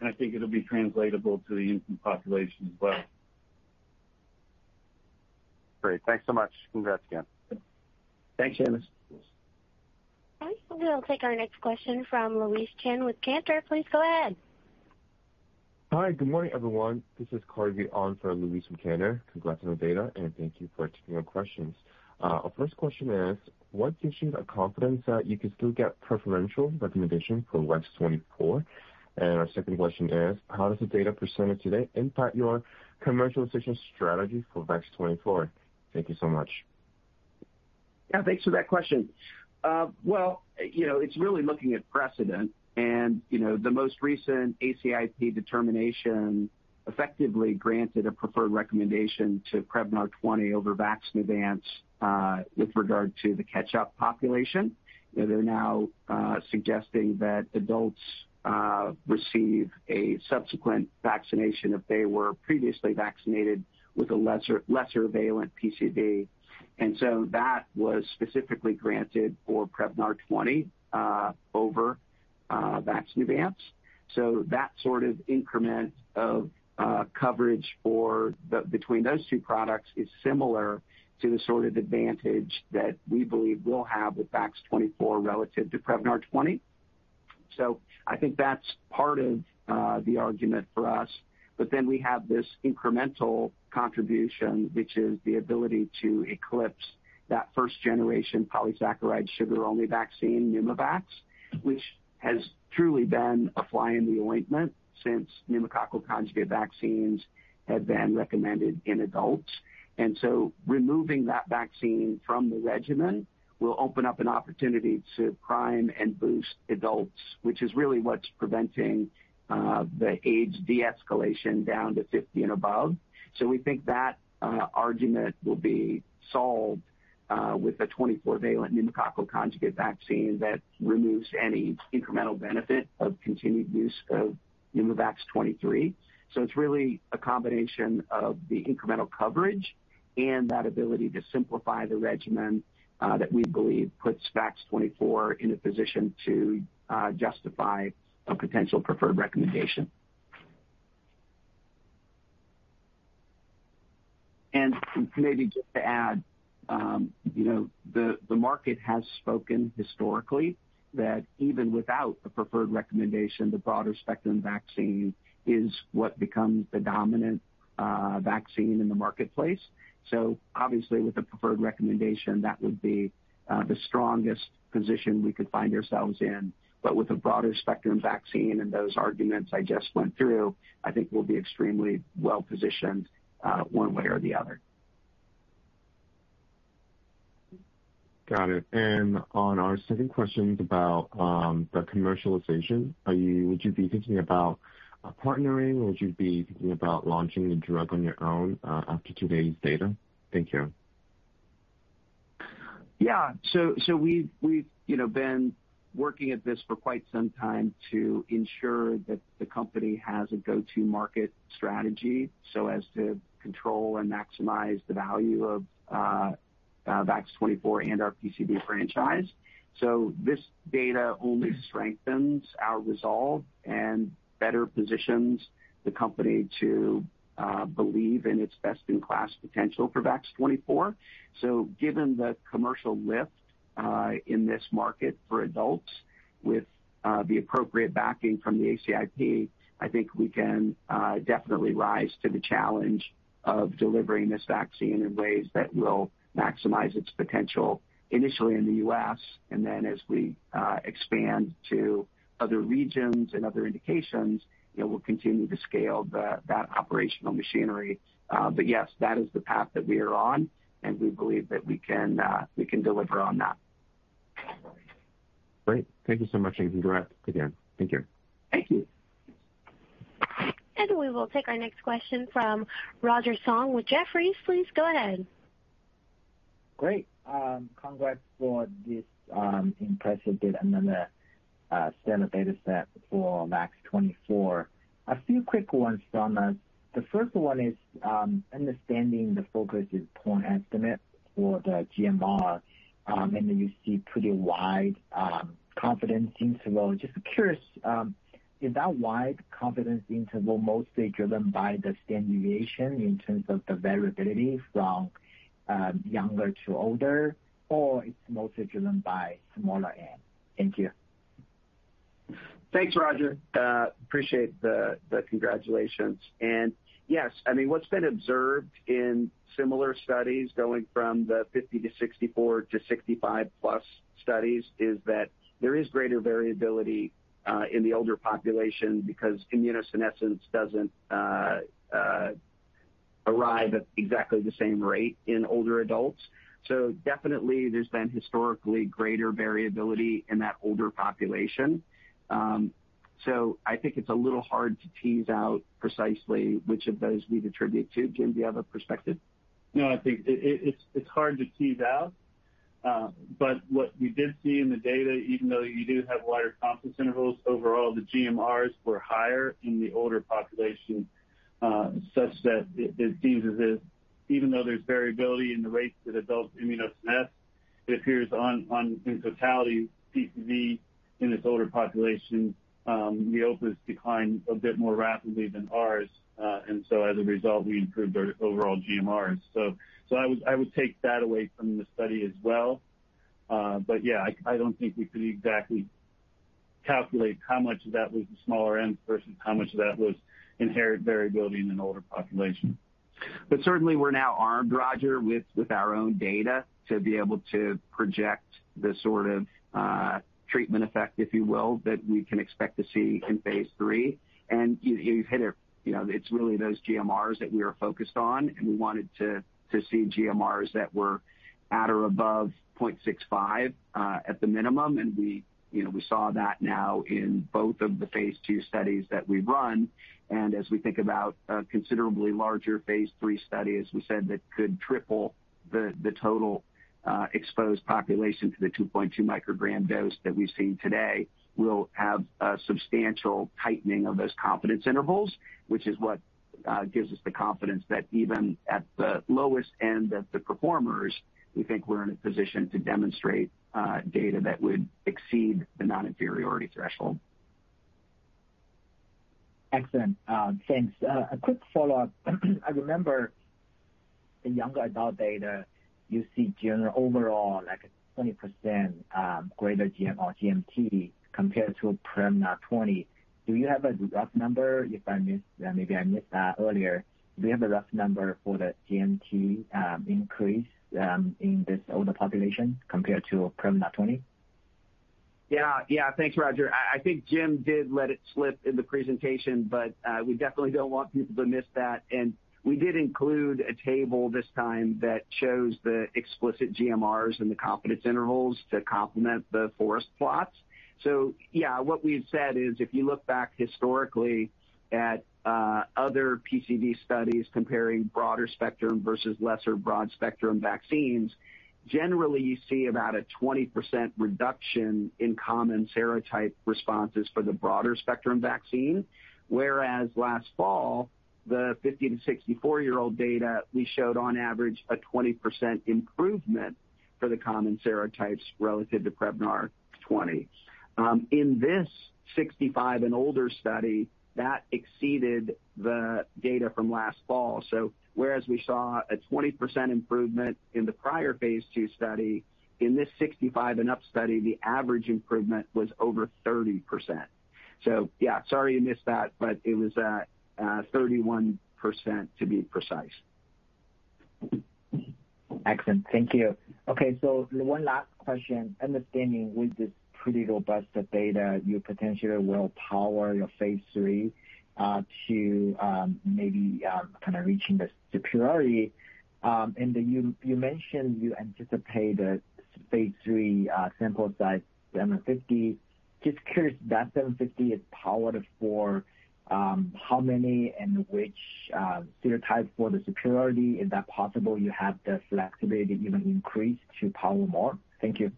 and I think it'll be translatable to the infant population as well. Great. Thanks so much. Congrats again. Thanks, Seamus. All right, we'll take our next question from Louise Chen with Cantor. Please go ahead. Hi. Good morning, everyone. This is Carnegie on for Louise from Cantor. Congrats on the data, and thank you for taking our questions. Our first question is: What gives you the confidence that you can still get preferential recommendation for VAX-24? Our second question is: How does the data presented today impact your commercialization strategy for VAX-24? Thank you so much. Thanks for that question. Well, you know, it's really looking at precedent. You know, the most recent ACIP determination effectively granted a preferred recommendation to Prevnar 20 over Vaxneuvance with regard to the catch-up population. You know, they're now suggesting that adults receive a subsequent vaccination if they were previously vaccinated with a lesser valent PCV. That was specifically granted for Prevnar 20 over Vaxneuvance. That sort of increment of coverage between those two products is similar to the sort of advantage that we believe we'll have with VAX-24 relative to Prevnar 20. I think that's part of the argument for us. We have this incremental contribution, which is the ability to eclipse that 1st generation polysaccharide sugar-only vaccine, Pneumovax, which has truly been a fly in the ointment since pneumococcal conjugate vaccines have been recommended in adults. Removing that vaccine from the regimen will open up an opportunity to prime and boost adults, which is really what's preventing the age de-escalation down to 50 and above. We think that argument will be solved with the 24-valent pneumococcal conjugate vaccine that removes any incremental benefit of continued use of Pneumovax 23. It's really a combination of the incremental coverage and that ability to simplify the regimen that we believe puts VAX-24 in a position to justify a potential preferred recommendation. Maybe just to add, you know, the market has spoken historically that even without a preferred recommendation, the broader spectrum vaccine is what becomes the dominant vaccine in the marketplace. Obviously with a preferred recommendation, that would be the strongest position we could find ourselves in. With a broader spectrum vaccine and those arguments I just went through, I think we'll be extremely well-positioned, one way or the other. Got it. On our second question about the commercialization, would you be thinking about partnering? Would you be thinking about launching the drug on your own after today's data? Thank you. Yeah. We've, you know, been working at this for quite some time to ensure that the company has a go-to-market strategy so as to control and maximize the value of VAX-24 and our PCV franchise. This data only strengthens our resolve and better positions the company to believe in its best-in-class potential for VAX-24. Given the commercial lift in this market for adults with the appropriate backing from the ACIP, I think we can definitely rise to the challenge of delivering this vaccine in ways that will maximize its potential initially in the U.S. as we expand to other regions and other indications, you know, we'll continue to scale that operational machinery. Yes, that is the path that we are on, and we believe that we can we can deliver on that. Great. Thank you so much. You can go out again. Thank you. Thank you. We will take our next question from Roger Song with Jefferies. Please go ahead. Great. Congrats for this impressive data. Standard data set for VAX-24. A few quick ones from us. The first one is understanding the focus is point estimate for the GMR, and then you see pretty wide confidence interval. Just curious, is that wide confidence interval mostly driven by the standard deviation in terms of the variability from younger to older, or it's mostly driven by smaller N? Thank you. Thanks, Roger. Appreciate the congratulations. Yes, I mean, what's been observed in similar studies going from the 50-64 to 65+ studies is that there is greater variability in the older population because immunosenescence doesn't arrive at exactly the same rate in older adults. Definitely there's been historically greater variability in that older population. I think it's a little hard to tease out precisely which of those we'd attribute to. Jim, do you have a perspective? No, I think it's hard to tease out. What we did see in the data, even though you do have wider confidence intervals overall, the GMRs were higher in the older population, such that it seems as if even though there's variability in the rates that adults immunosenesce, it appears in totality PCV in this older population, the OPA declined a bit more rapidly than ours. As a result, we improved our overall GMRs. I would take that away from the study as well. Yeah, I don't think we could exactly calculate how much of that was the smaller N versus how much of that was inherent variability in an older population. Certainly we're now armed, Roger, with our own data to be able to project the sort of treatment effect, if you will, that we can expect to see in phase III. You, you've hit it. You know, it's really those GMRs that we are focused on, and we wanted to see GMRs that were at or above 0.65 at the minimum. We, you know, we saw that now in both of the phase II studies that we've run. As we think about a considerably larger phase III study, as we said, that could triple the total exposed population to the 2.2 mcg dose that we've seen today, will have a substantial tightening of those confidence intervals, which is what gives us the confidence that even at the lowest end of the performers, we think we're in a position to demonstrate data that would exceed the non-inferiority threshold. Excellent. Thanks. A quick follow-up. I remember in younger adult data you see general overall like a 20% greater GMR GMT compared to Prevnar 20. Do you have a rough number, if I missed, maybe I missed that earlier. Do you have a rough number for the GMT increase in this older population compared to Prevnar 20? Thanks, Roger. I think Jim did let it slip in the presentation, but we definitely don't want people to miss that. We did include a table this time that shows the explicit GMRs and the confidence intervals to complement the forest plots. What we had said is if you look back historically at other PCV studies comparing broader spectrum versus lesser broad spectrum vaccines, generally you see about a 20% reduction in common serotype responses for the broader spectrum vaccine. Whereas last fall, the 50 year-64 year-olds data, we showed on average a 20% improvement for the common serotypes relative to Prevnar 20. In this 65 and older study, that exceeded the data from last fall. Whereas we saw a 20% improvement in the prior phase II study, in this 65 and up study, the average improvement was over 30%. Yeah, sorry you missed that, but it was at 31% to be precise. Excellent. Thank you. Okay, one last question. Understanding with this pretty robust data, you potentially will power your phase III to maybe kind of reaching the superiority. You, you mentioned you anticipate a phase III sample size 750. Just curious, that 750 is powered for how many and which serotype for the superiority. Is that possible you have the flexibility to even increase to power more? Thank you.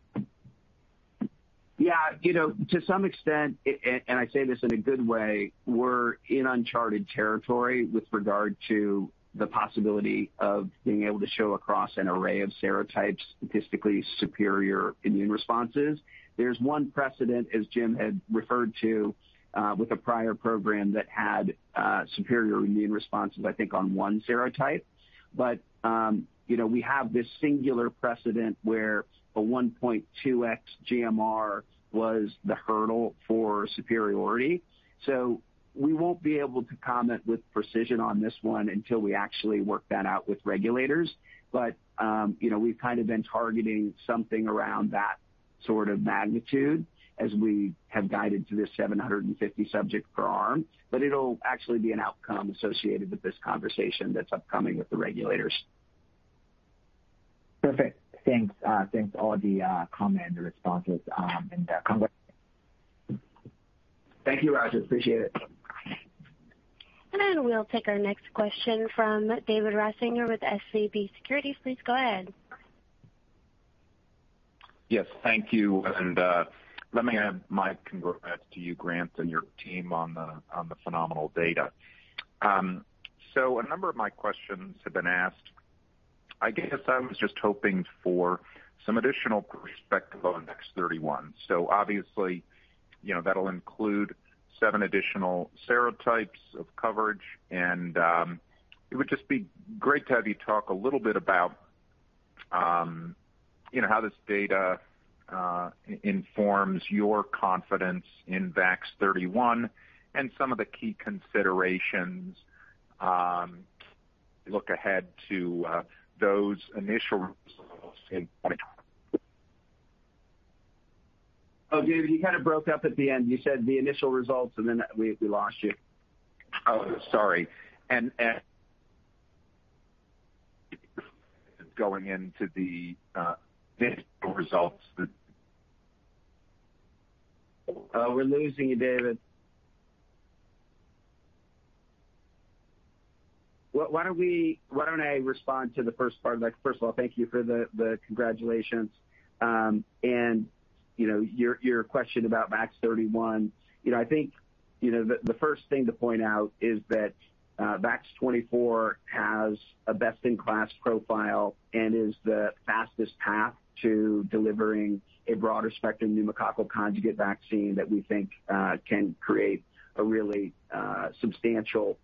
Yeah. You know, to some extent, and I say this in a good way, we're in uncharted territory with regard to the possibility of being able to show across an array of serotypes, statistically superior immune responses. There's one precedent, as Jim had referred to, with a prior program that had superior immune responses, I think, on one serotype. You know, we have this singular precedent where a 1.2x GMR was the hurdle for superiority. We won't be able to comment with precision on this one until we actually work that out with regulators. You know, we've kind of been targeting something around that sort of magnitude as we have guided to this 750 subject per arm. It'll actually be an outcome associated with this conversation that's upcoming with the regulators. Perfect. Thanks. Thanks all the comment and responses. Congrats. Thank you, Roger. Appreciate it. We'll take our next question from David Risinger with SVB Securities. Please go ahead. Yes, thank you. Let me add my congrats to you, Grant, and your team on the phenomenal data. A number of my questions have been asked. I guess I was just hoping for some additional perspective on VAX-31. Obviously, you know, that'll include seven additional serotypes of coverage. It would just be great to have you talk a little bit about, you know, how this data informs your confidence in VAX-31 and some of the key considerations, look ahead to those initial results in. David, you kind of broke up at the end. You said the initial results, and then we lost you. Oh, sorry. Going into the results that We're losing you, David. Why don't we, why don't I respond to the first part? Like, first of all, thank you for the congratulations. You know, your question about VAX-31, you know, I think, you know, the first thing to point out is that VAX-24 has a best-in-class profile and is the fastest path to delivering a broader spectrum pneumococcal conjugate vaccine that we think can create a really substantial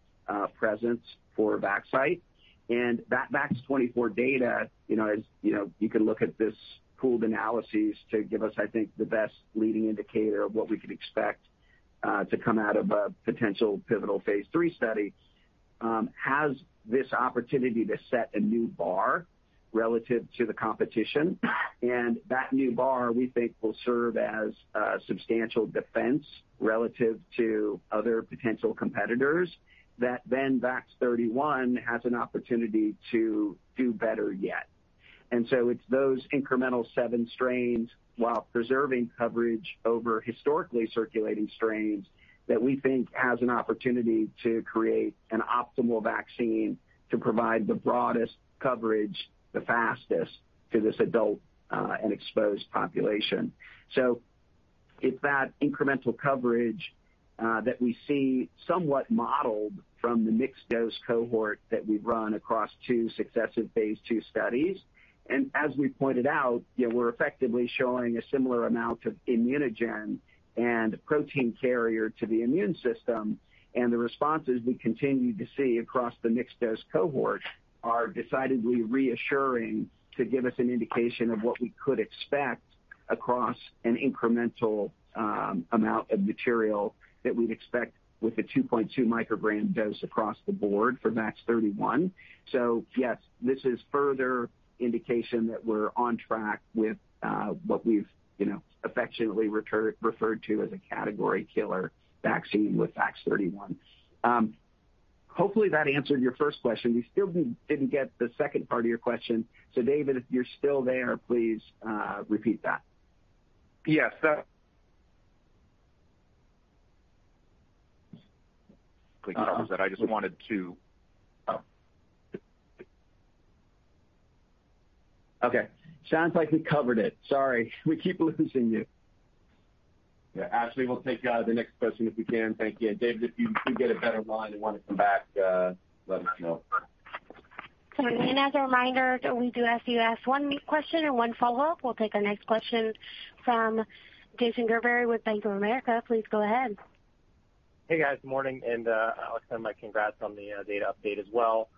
presence for Vaxcyte. VAX-24 data, you know, as you know, you can look at this pooled analysis to give us, I think, the best leading indicator of what we could expect to come out of a potential pivotal phase III study has this opportunity to set a new bar relative to the competition. That new bar, we think, will serve as a substantial defense relative to other potential competitors that VAX-31 has an opportunity to do better yet. It's those incremental seven strains, while preserving coverage over historically circulating strains, that we think has an opportunity to create an optimal vaccine to provide the broadest coverage the fastest to this adult and exposed population. It's that incremental coverage that we see somewhat modeled from the mixed dose cohort that we've run across two successive phase II studies. As we pointed out, you know, we're effectively showing a similar amount of immunogen and protein carrier to the immune system. The responses we continue to see across the mixed dose cohort are decidedly reassuring to give us an indication of what we could expect across an incremental amount of material that we'd expect with the 2.2 mcg dose across the board for VAX-31. Yes, this is further indication that we're on track with what we've, you know, affectionately referred to as a category killer vaccine with VAX-31. Hopefully, that answered your first question. We still didn't get the second part of your question. David, if you're still there, please repeat that. Yes. I just wanted to oh. Okay. Sounds like we covered it. Sorry, we keep losing you. Yeah. Ashley, we'll take, the next question if we can. Thank you. David, if you do get a better line and want to come back, let us know. Sorry. As a reminder, we do ask you to ask one question and one follow-up. We'll take our next question from Jason Gerberry with Bank of America. Please go ahead. Hey, guys. Morning, I'll send my congrats on the data update as well.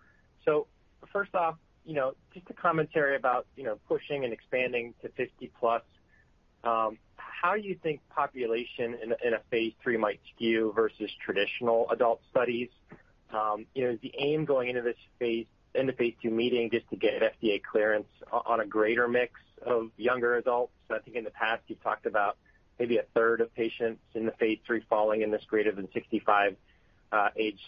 First off, you know, just a commentary about, you know, pushing and expanding to 50+. How do you think population in a phase III might skew versus traditional adult studies? You know, the aim going into this phase, in the phase II meeting, just to get FDA clearance on a greater mix of younger adults. I think in the past you've talked about maybe 1/3 of patients in the phase II falling in this greater than 65 age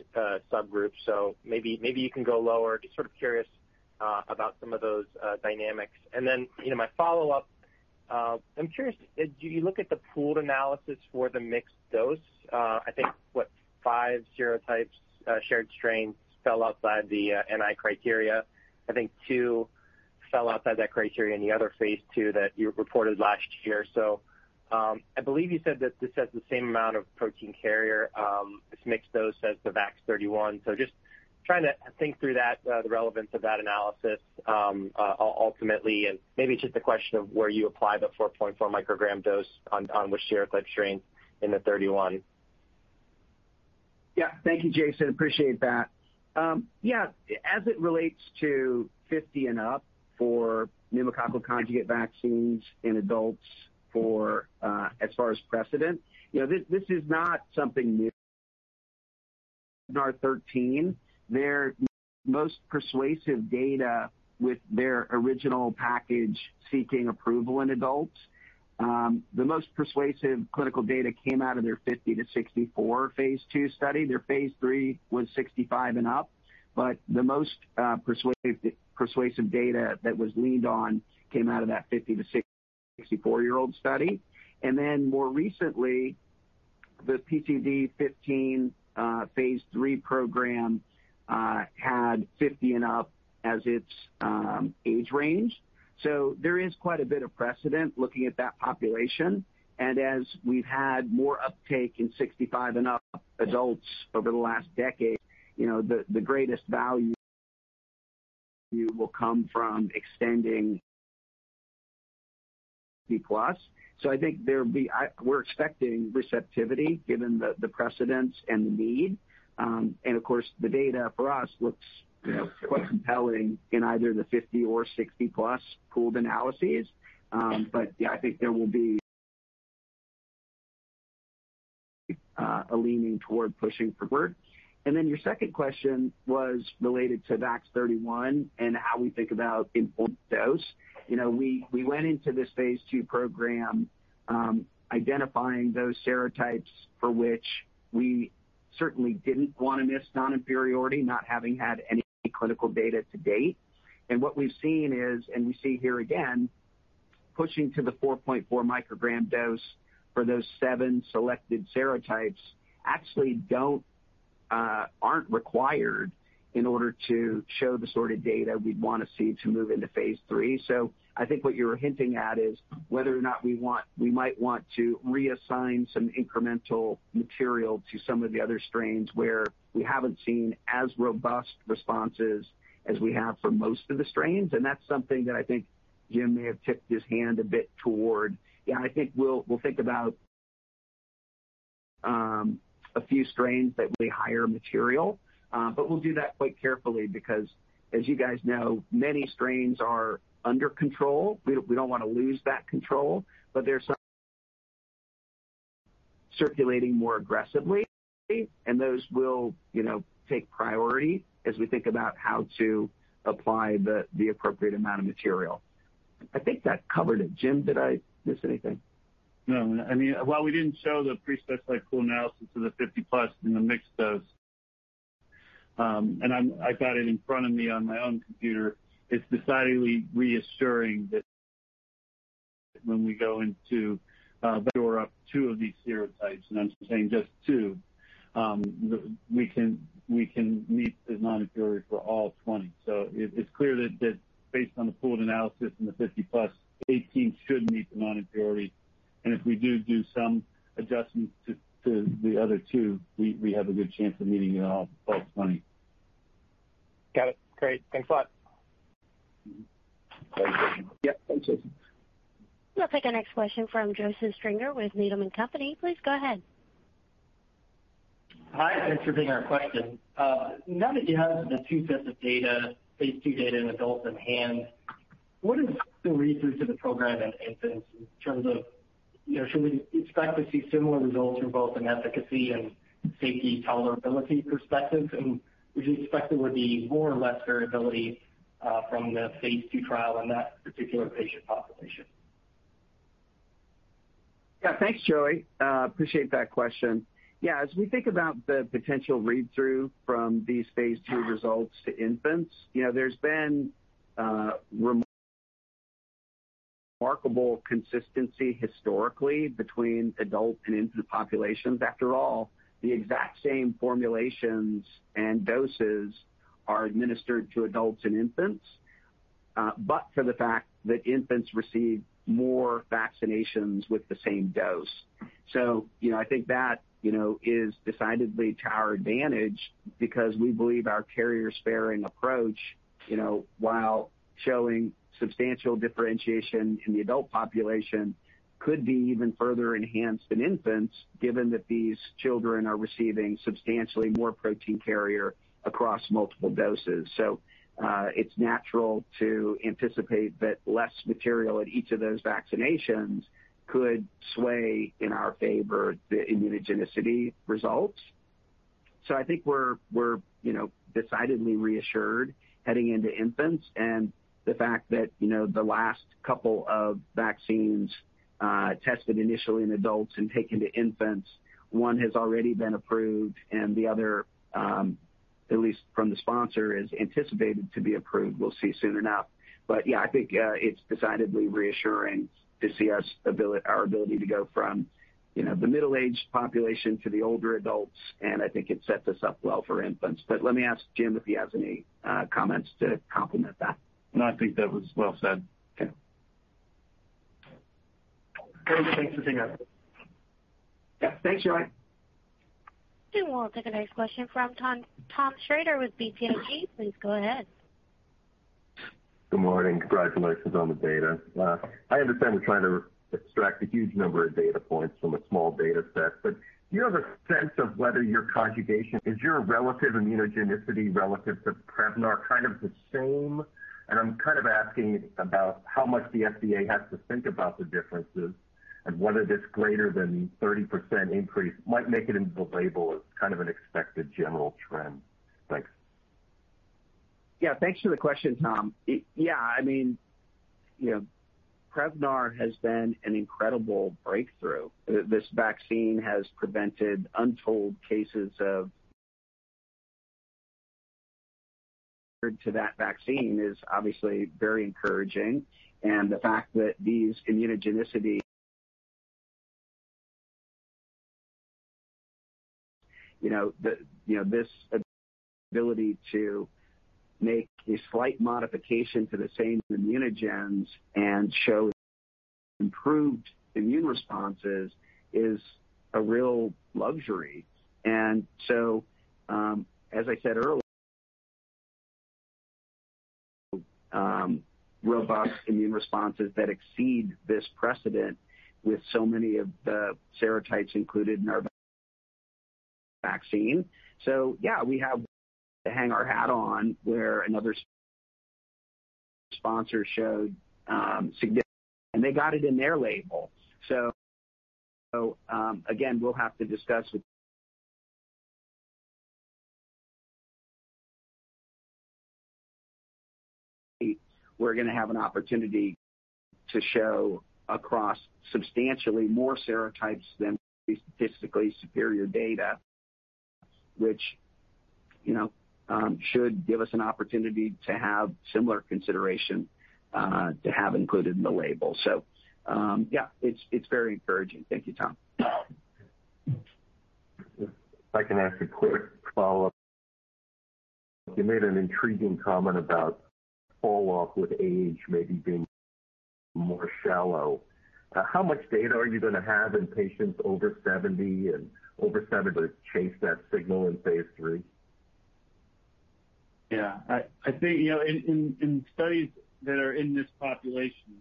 subgroup. Maybe, maybe you can go lower. Just sort of curious about some of those dynamics. Then, you know, my follow-up, I'm curious, do you look at the pooled analysis for the mixed dose? I think, what, five serotypes, shared strains fell outside the NI criteria. I think two fell outside that criteria in the other phase II that you reported last year. I believe you said that this has the same amount of protein carrier, this mixed dose as the VAX-31. Just trying to think through that, the relevance of that analysis ultimately. Maybe it's just a question of where you apply the 4.4 mcg dose on which serotype strain in the 31. Yeah. Thank you, Jason. Appreciate that. Yeah, as it relates to 50 and up for pneumococcal conjugate vaccines in adults for, as far as precedent, you know, this is not something new 13, their most persuasive data with their original package seeking approval in adults, the most persuasive clinical data came out of their 50 to 64 phase II study. Their phase III was 65 and up. The most persuasive data that was leaned on came out of that 50 year-64 year-olds study. More recently, the [PCV-15] phase III program had 50 and up as its age range. There is quite a bit of precedent looking at that population. As we've had more uptake in 65 and up adults over the last decade, you know, the greatest value will come from extending B+. I think we're expecting receptivity given the precedents and the need. Of course, the data for us looks, you know, quite compelling in either the 50+ or 60+ pooled analyses. Yeah, I think there will be a leaning toward pushing forward. Your second question was related to VAX-31 and how we think about important dose. You know, we went into this phase II program, identifying those serotypes for which we certainly didn't want to miss non-inferiority, not having had any clinical data to date. What we've seen is, and we see here again, pushing to the 4.4 mcg dose for those seven selected serotypes actually aren't required in order to show the sort of data we'd want to see to move into phase III. I think what you're hinting at is whether or not we might want to reassign some incremental material to some of the other strains where we haven't seen as robust responses as we have for most of the strains. That's something that I think Jim may have tipped his hand a bit toward. Yeah, I think we'll think about a few strains that we higher material, but we'll do that quite carefully because as you guys know, many strains are under control. We don't want to lose that control, but there's some circulating more aggressively, and those will, you know, take priority as we think about how to apply the appropriate amount of material. I think that covered it. Jim, did I miss anything? No, I mean, while we didn't show the pre-specified pool analysis of the 50+ in the mixed dose, I've got it in front of me on my own computer, it's decidedly reassuring that when we go into or up two of these serotypes, and I'm saying just two, we can meet the non-inferiority for all 20. It's clear that based on the pooled analysis and the 50+ 18 should meet the non-inferiority. If we do some adjustments to the other two, we have a good chance of meeting it all 20. Got it. Great. Thanks a lot. Yeah. Thanks, Jason. We'll take our next question from Joseph Stringer with Needham & Company. Please go ahead. Hi, thanks for taking our question. Now that you have the two sets of data, phase II data in adults in hand, what is the read-through to the program in infants in terms of, you know, should we expect to see similar results in both in efficacy and safety tolerability perspectives? Would you expect there would be more or less variability from the phase II trial in that particular patient population? Yeah. Thanks, Joey. Appreciate that question. Yeah. As we think about the potential read-through from these phase II results to infants, you know, there's been remarkable consistency historically between adult and infant populations. After all, the exact same formulations and doses are administered to adults and infants, but for the fact that infants receive more vaccinations with the same dose. You know, I think that, you know, is decidedly to our advantage because we believe our carrier-sparing approach, you know, while showing substantial differentiation in the adult population, could be even further enhanced in infants, given that these children are receiving substantially more protein carrier across multiple doses. It's natural to anticipate that less material at each of those vaccinations could sway in our favor the immunogenicity results. I think we're, you know, decidedly reassured heading into infants and the fact that, you know, the last couple of vaccines, tested initially in adults and taken to infants, one has already been approved and the other, at least from the sponsor, is anticipated to be approved. We'll see soon enough. Yeah, I think, it's decidedly reassuring to see our ability to go from, you know, the middle-aged population to the older adults, and I think it sets us up well for infants. Let me ask Jim if he has any comments to complement that. No, I think that was well said. Okay. Great. Thanks for that. Yeah. Thanks, Joey. We'll take the next question from Tom Shrader with BTIG. Please go ahead. Good morning. Congratulations on the data. I understand we're trying to extract a huge number of data points from a small data set, but do you have a sense of whether your relative immunogenicity relative to Prevnar kind of the same? I'm kind of asking about how much the FDA has to think about the differences and whether this greater than 30% increase might make it into the label as kind of an expected general trend. Thanks. Yeah. Thanks for the question, Tom. Yeah, I mean, you know, Prevnar has been an incredible breakthrough. This vaccine has prevented untold cases of that vaccine is obviously very encouraging. The fact that these immunogenicity, you know, the, you know, this ability to make a slight modification to the same immunogens and show improved immune responses is a real luxury. As I said earlier, robust immune responses that exceed this precedent with so many of the serotypes included in our vaccine. Yeah, we have to hang our hat on where another sponsor showed significant, and they got it in their label. Again, we'll have to discuss, we're gonna have an opportunity to show across substantially more serotypes than statistically superior data, which, you know, should give us an opportunity to have similar consideration to have included in the label. Yeah, it's very encouraging. Thank you, Tom. If I can ask a quick follow-up. You made an intriguing comment about fall off with age maybe being more shallow. How much data are you going to have in patients over 70 to chase that signal in phase III? I think, you know, in studies that are in this population,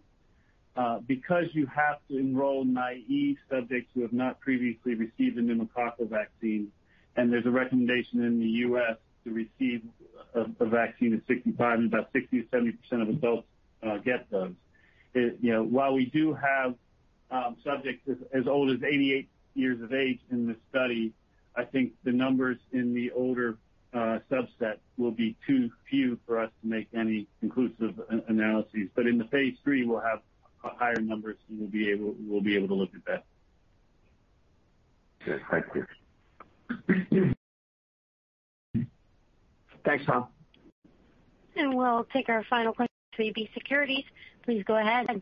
because you have to enroll naive subjects who have not previously received a pneumococcal vaccine, and there's a recommendation in the U.S. to receive a vaccine at 65, and about 60%-70% of adults get those. It, you know, while we do have subjects as old as 88 years of age in this study, I think the numbers in the older subset will be too few for us to make any conclusive analyses. In the phase III, we'll have higher numbers, and we'll be able to look at that. Good. Thank you. Thanks, Tom. We'll take our final question from SVB Securities. Please go ahead.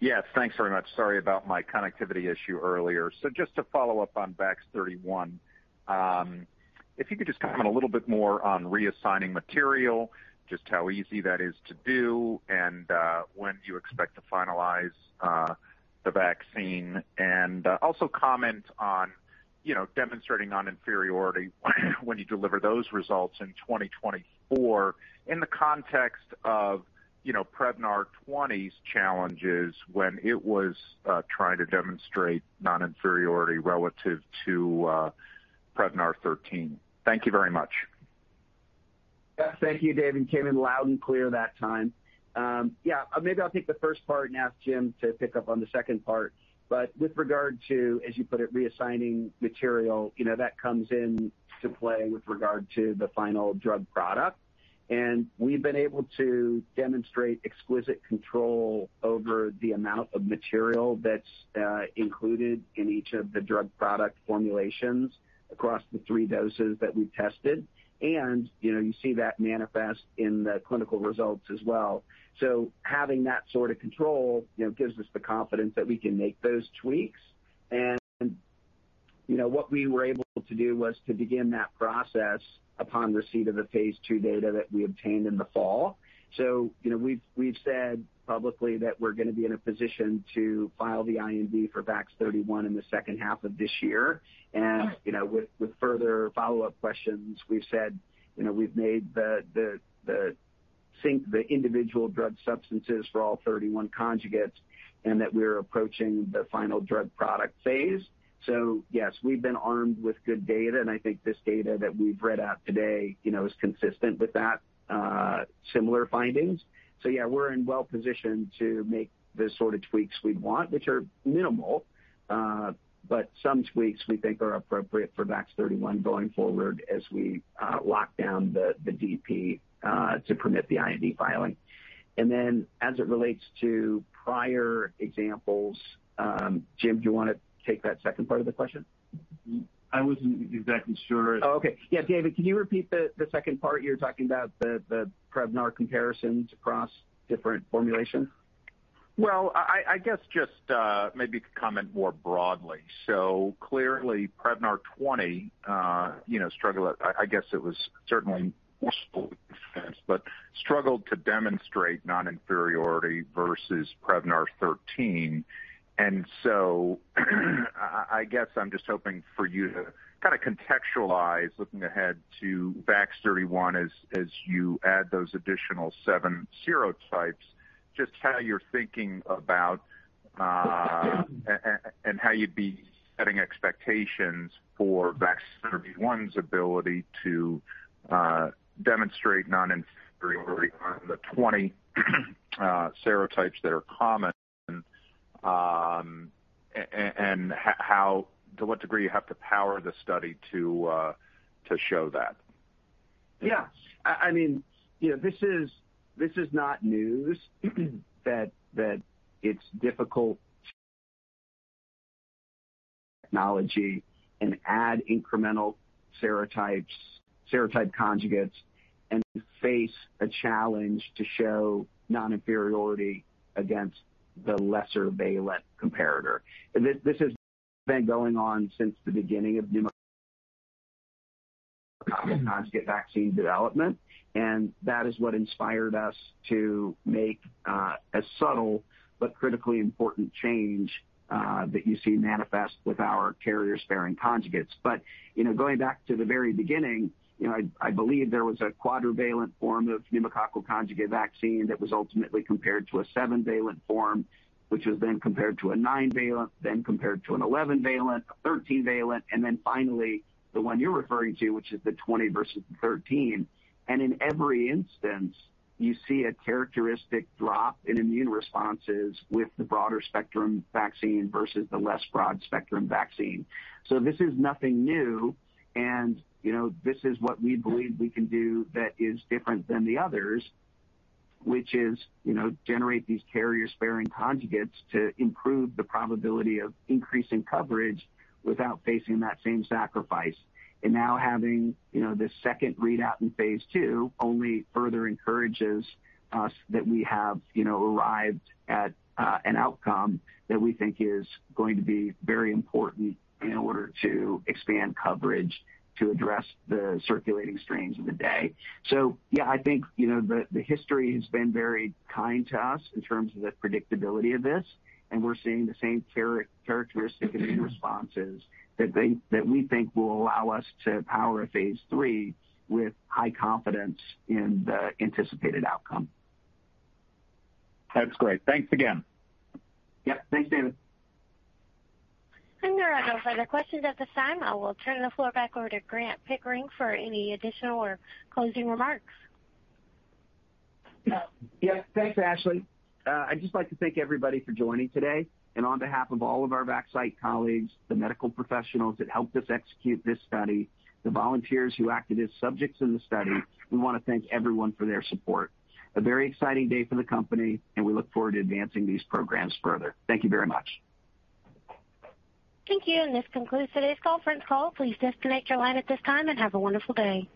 Yes, thanks very much. Sorry about my connectivity issue earlier. Just to follow up on VAX-31, if you could just comment a little bit more on reassigning material, just how easy that is to do, and when do you expect to finalize the vaccine. Also comment on, you know, demonstrating non-inferiority when you deliver those results in 2024 in the context of, you know, Prevnar 20's challenges when it was trying to demonstrate non-inferiority relative to Prevnar 13. Thank you very much. Yes, thank you, David. You came in loud and clear that time. Yeah. Maybe I'll take the first part and ask Jim to pick up on the second part. With regard to, as you put it, reassigning material, you know, that comes in to play with regard to the final drug product. We've been able to demonstrate exquisite control over the amount of material that's included in each of the drug product formulations across the three doses that we tested. You know, you see that manifest in the clinical results as well. Having that sort of control, you know, gives us the confidence that we can make those tweaks. You know, what we were able to do was to begin that process upon receipt of the phase II data that we obtained in the fall. You know, we've said publicly that we're gonna be in a position to file the IND for VAX-31 in the second half of this year. You know, with further follow-up questions, we've said, you know, we've made the individual drug substances for all 31 conjugates and that we're approaching the final drug product phase. Yes, we've been armed with good data, and I think this data that we've read out today, you know, is consistent with that, similar findings. Yeah, we're in well-positioned to make the sort of tweaks we want, which are minimal, but some tweaks we think are appropriate for VAX-31 going forward as we lock down the DP to permit the IND filing. As it relates to prior examples, Jim, do you wanna take that second part of the question? I wasn't exactly sure. Oh, okay. Yeah, David, can you repeat the second part? You're talking about the Prevnar comparisons across different formulations? Well, just maybe comment more broadly. Clearly Prevnar 20, you know, struggled to demonstrate non-inferiority versus Prevnar 13. I'm just hoping for you to kinda contextualize, looking ahead to VAX-31 as you add those additional seven serotypes, just how you're thinking about, and how you'd be setting expectations for VAX-31's ability to demonstrate non-inferiority on the 20 serotypes that are common, and how to what degree you have to power the study to show that. Yeah. I mean, you know, this is, this is not news that it's difficult-technology and add incremental serotypes, serotype conjugates, and face a challenge to show non-inferiority against the lesser valent comparator. This has been going on since the beginning of pneumococcal conjugate vaccine development, and that is what inspired us to make a subtle but critically important change that you see manifest with our carrier-sparing conjugates. You know, going back to the very beginning, you know, I believe there was a quadrivalent form of pneumococcal conjugate vaccine that was ultimately compared to a seven-valent form, which was then compared to a nine-valent, then compared to an 11-valent, a 13-valent, and then finally the one you're referring to, which is the 20 versus the 13. In every instance you see a characteristic drop in immune responses with the broader spectrum vaccine versus the less broad spectrum vaccine. This is nothing new and, you know, this is what we believe we can do that is different than the others, which is, you know, generate these carrier-sparing conjugates to improve the probability of increasing coverage without facing that same sacrifice. Now having, you know, this second readout in phase II only further encourages us that we have, you know, arrived at an outcome that we think is going to be very important in order to expand coverage to address the circulating strains of the day. Yeah, I think, you know, the history has been very kind to us in terms of the predictability of this, and we're seeing the same characteristic immune responses that we think will allow us to power phase III with high confidence in the anticipated outcome. That's great. Thanks again. Yep. Thanks, David. There are no further questions at this time. I will turn the floor back over to Grant Pickering for any additional or closing remarks. Yes. Thanks, Ashley. I'd just like to thank everybody for joining today. On behalf of all of our Vaxcyte colleagues, the medical professionals that helped us execute this study, the volunteers who acted as subjects in the study, we want to thank everyone for their support. A very exciting day for the company, and we look forward to advancing these programs further. Thank you very much. Thank you, and this concludes today's call. For this call, please disconnect your line at this time and have a wonderful day.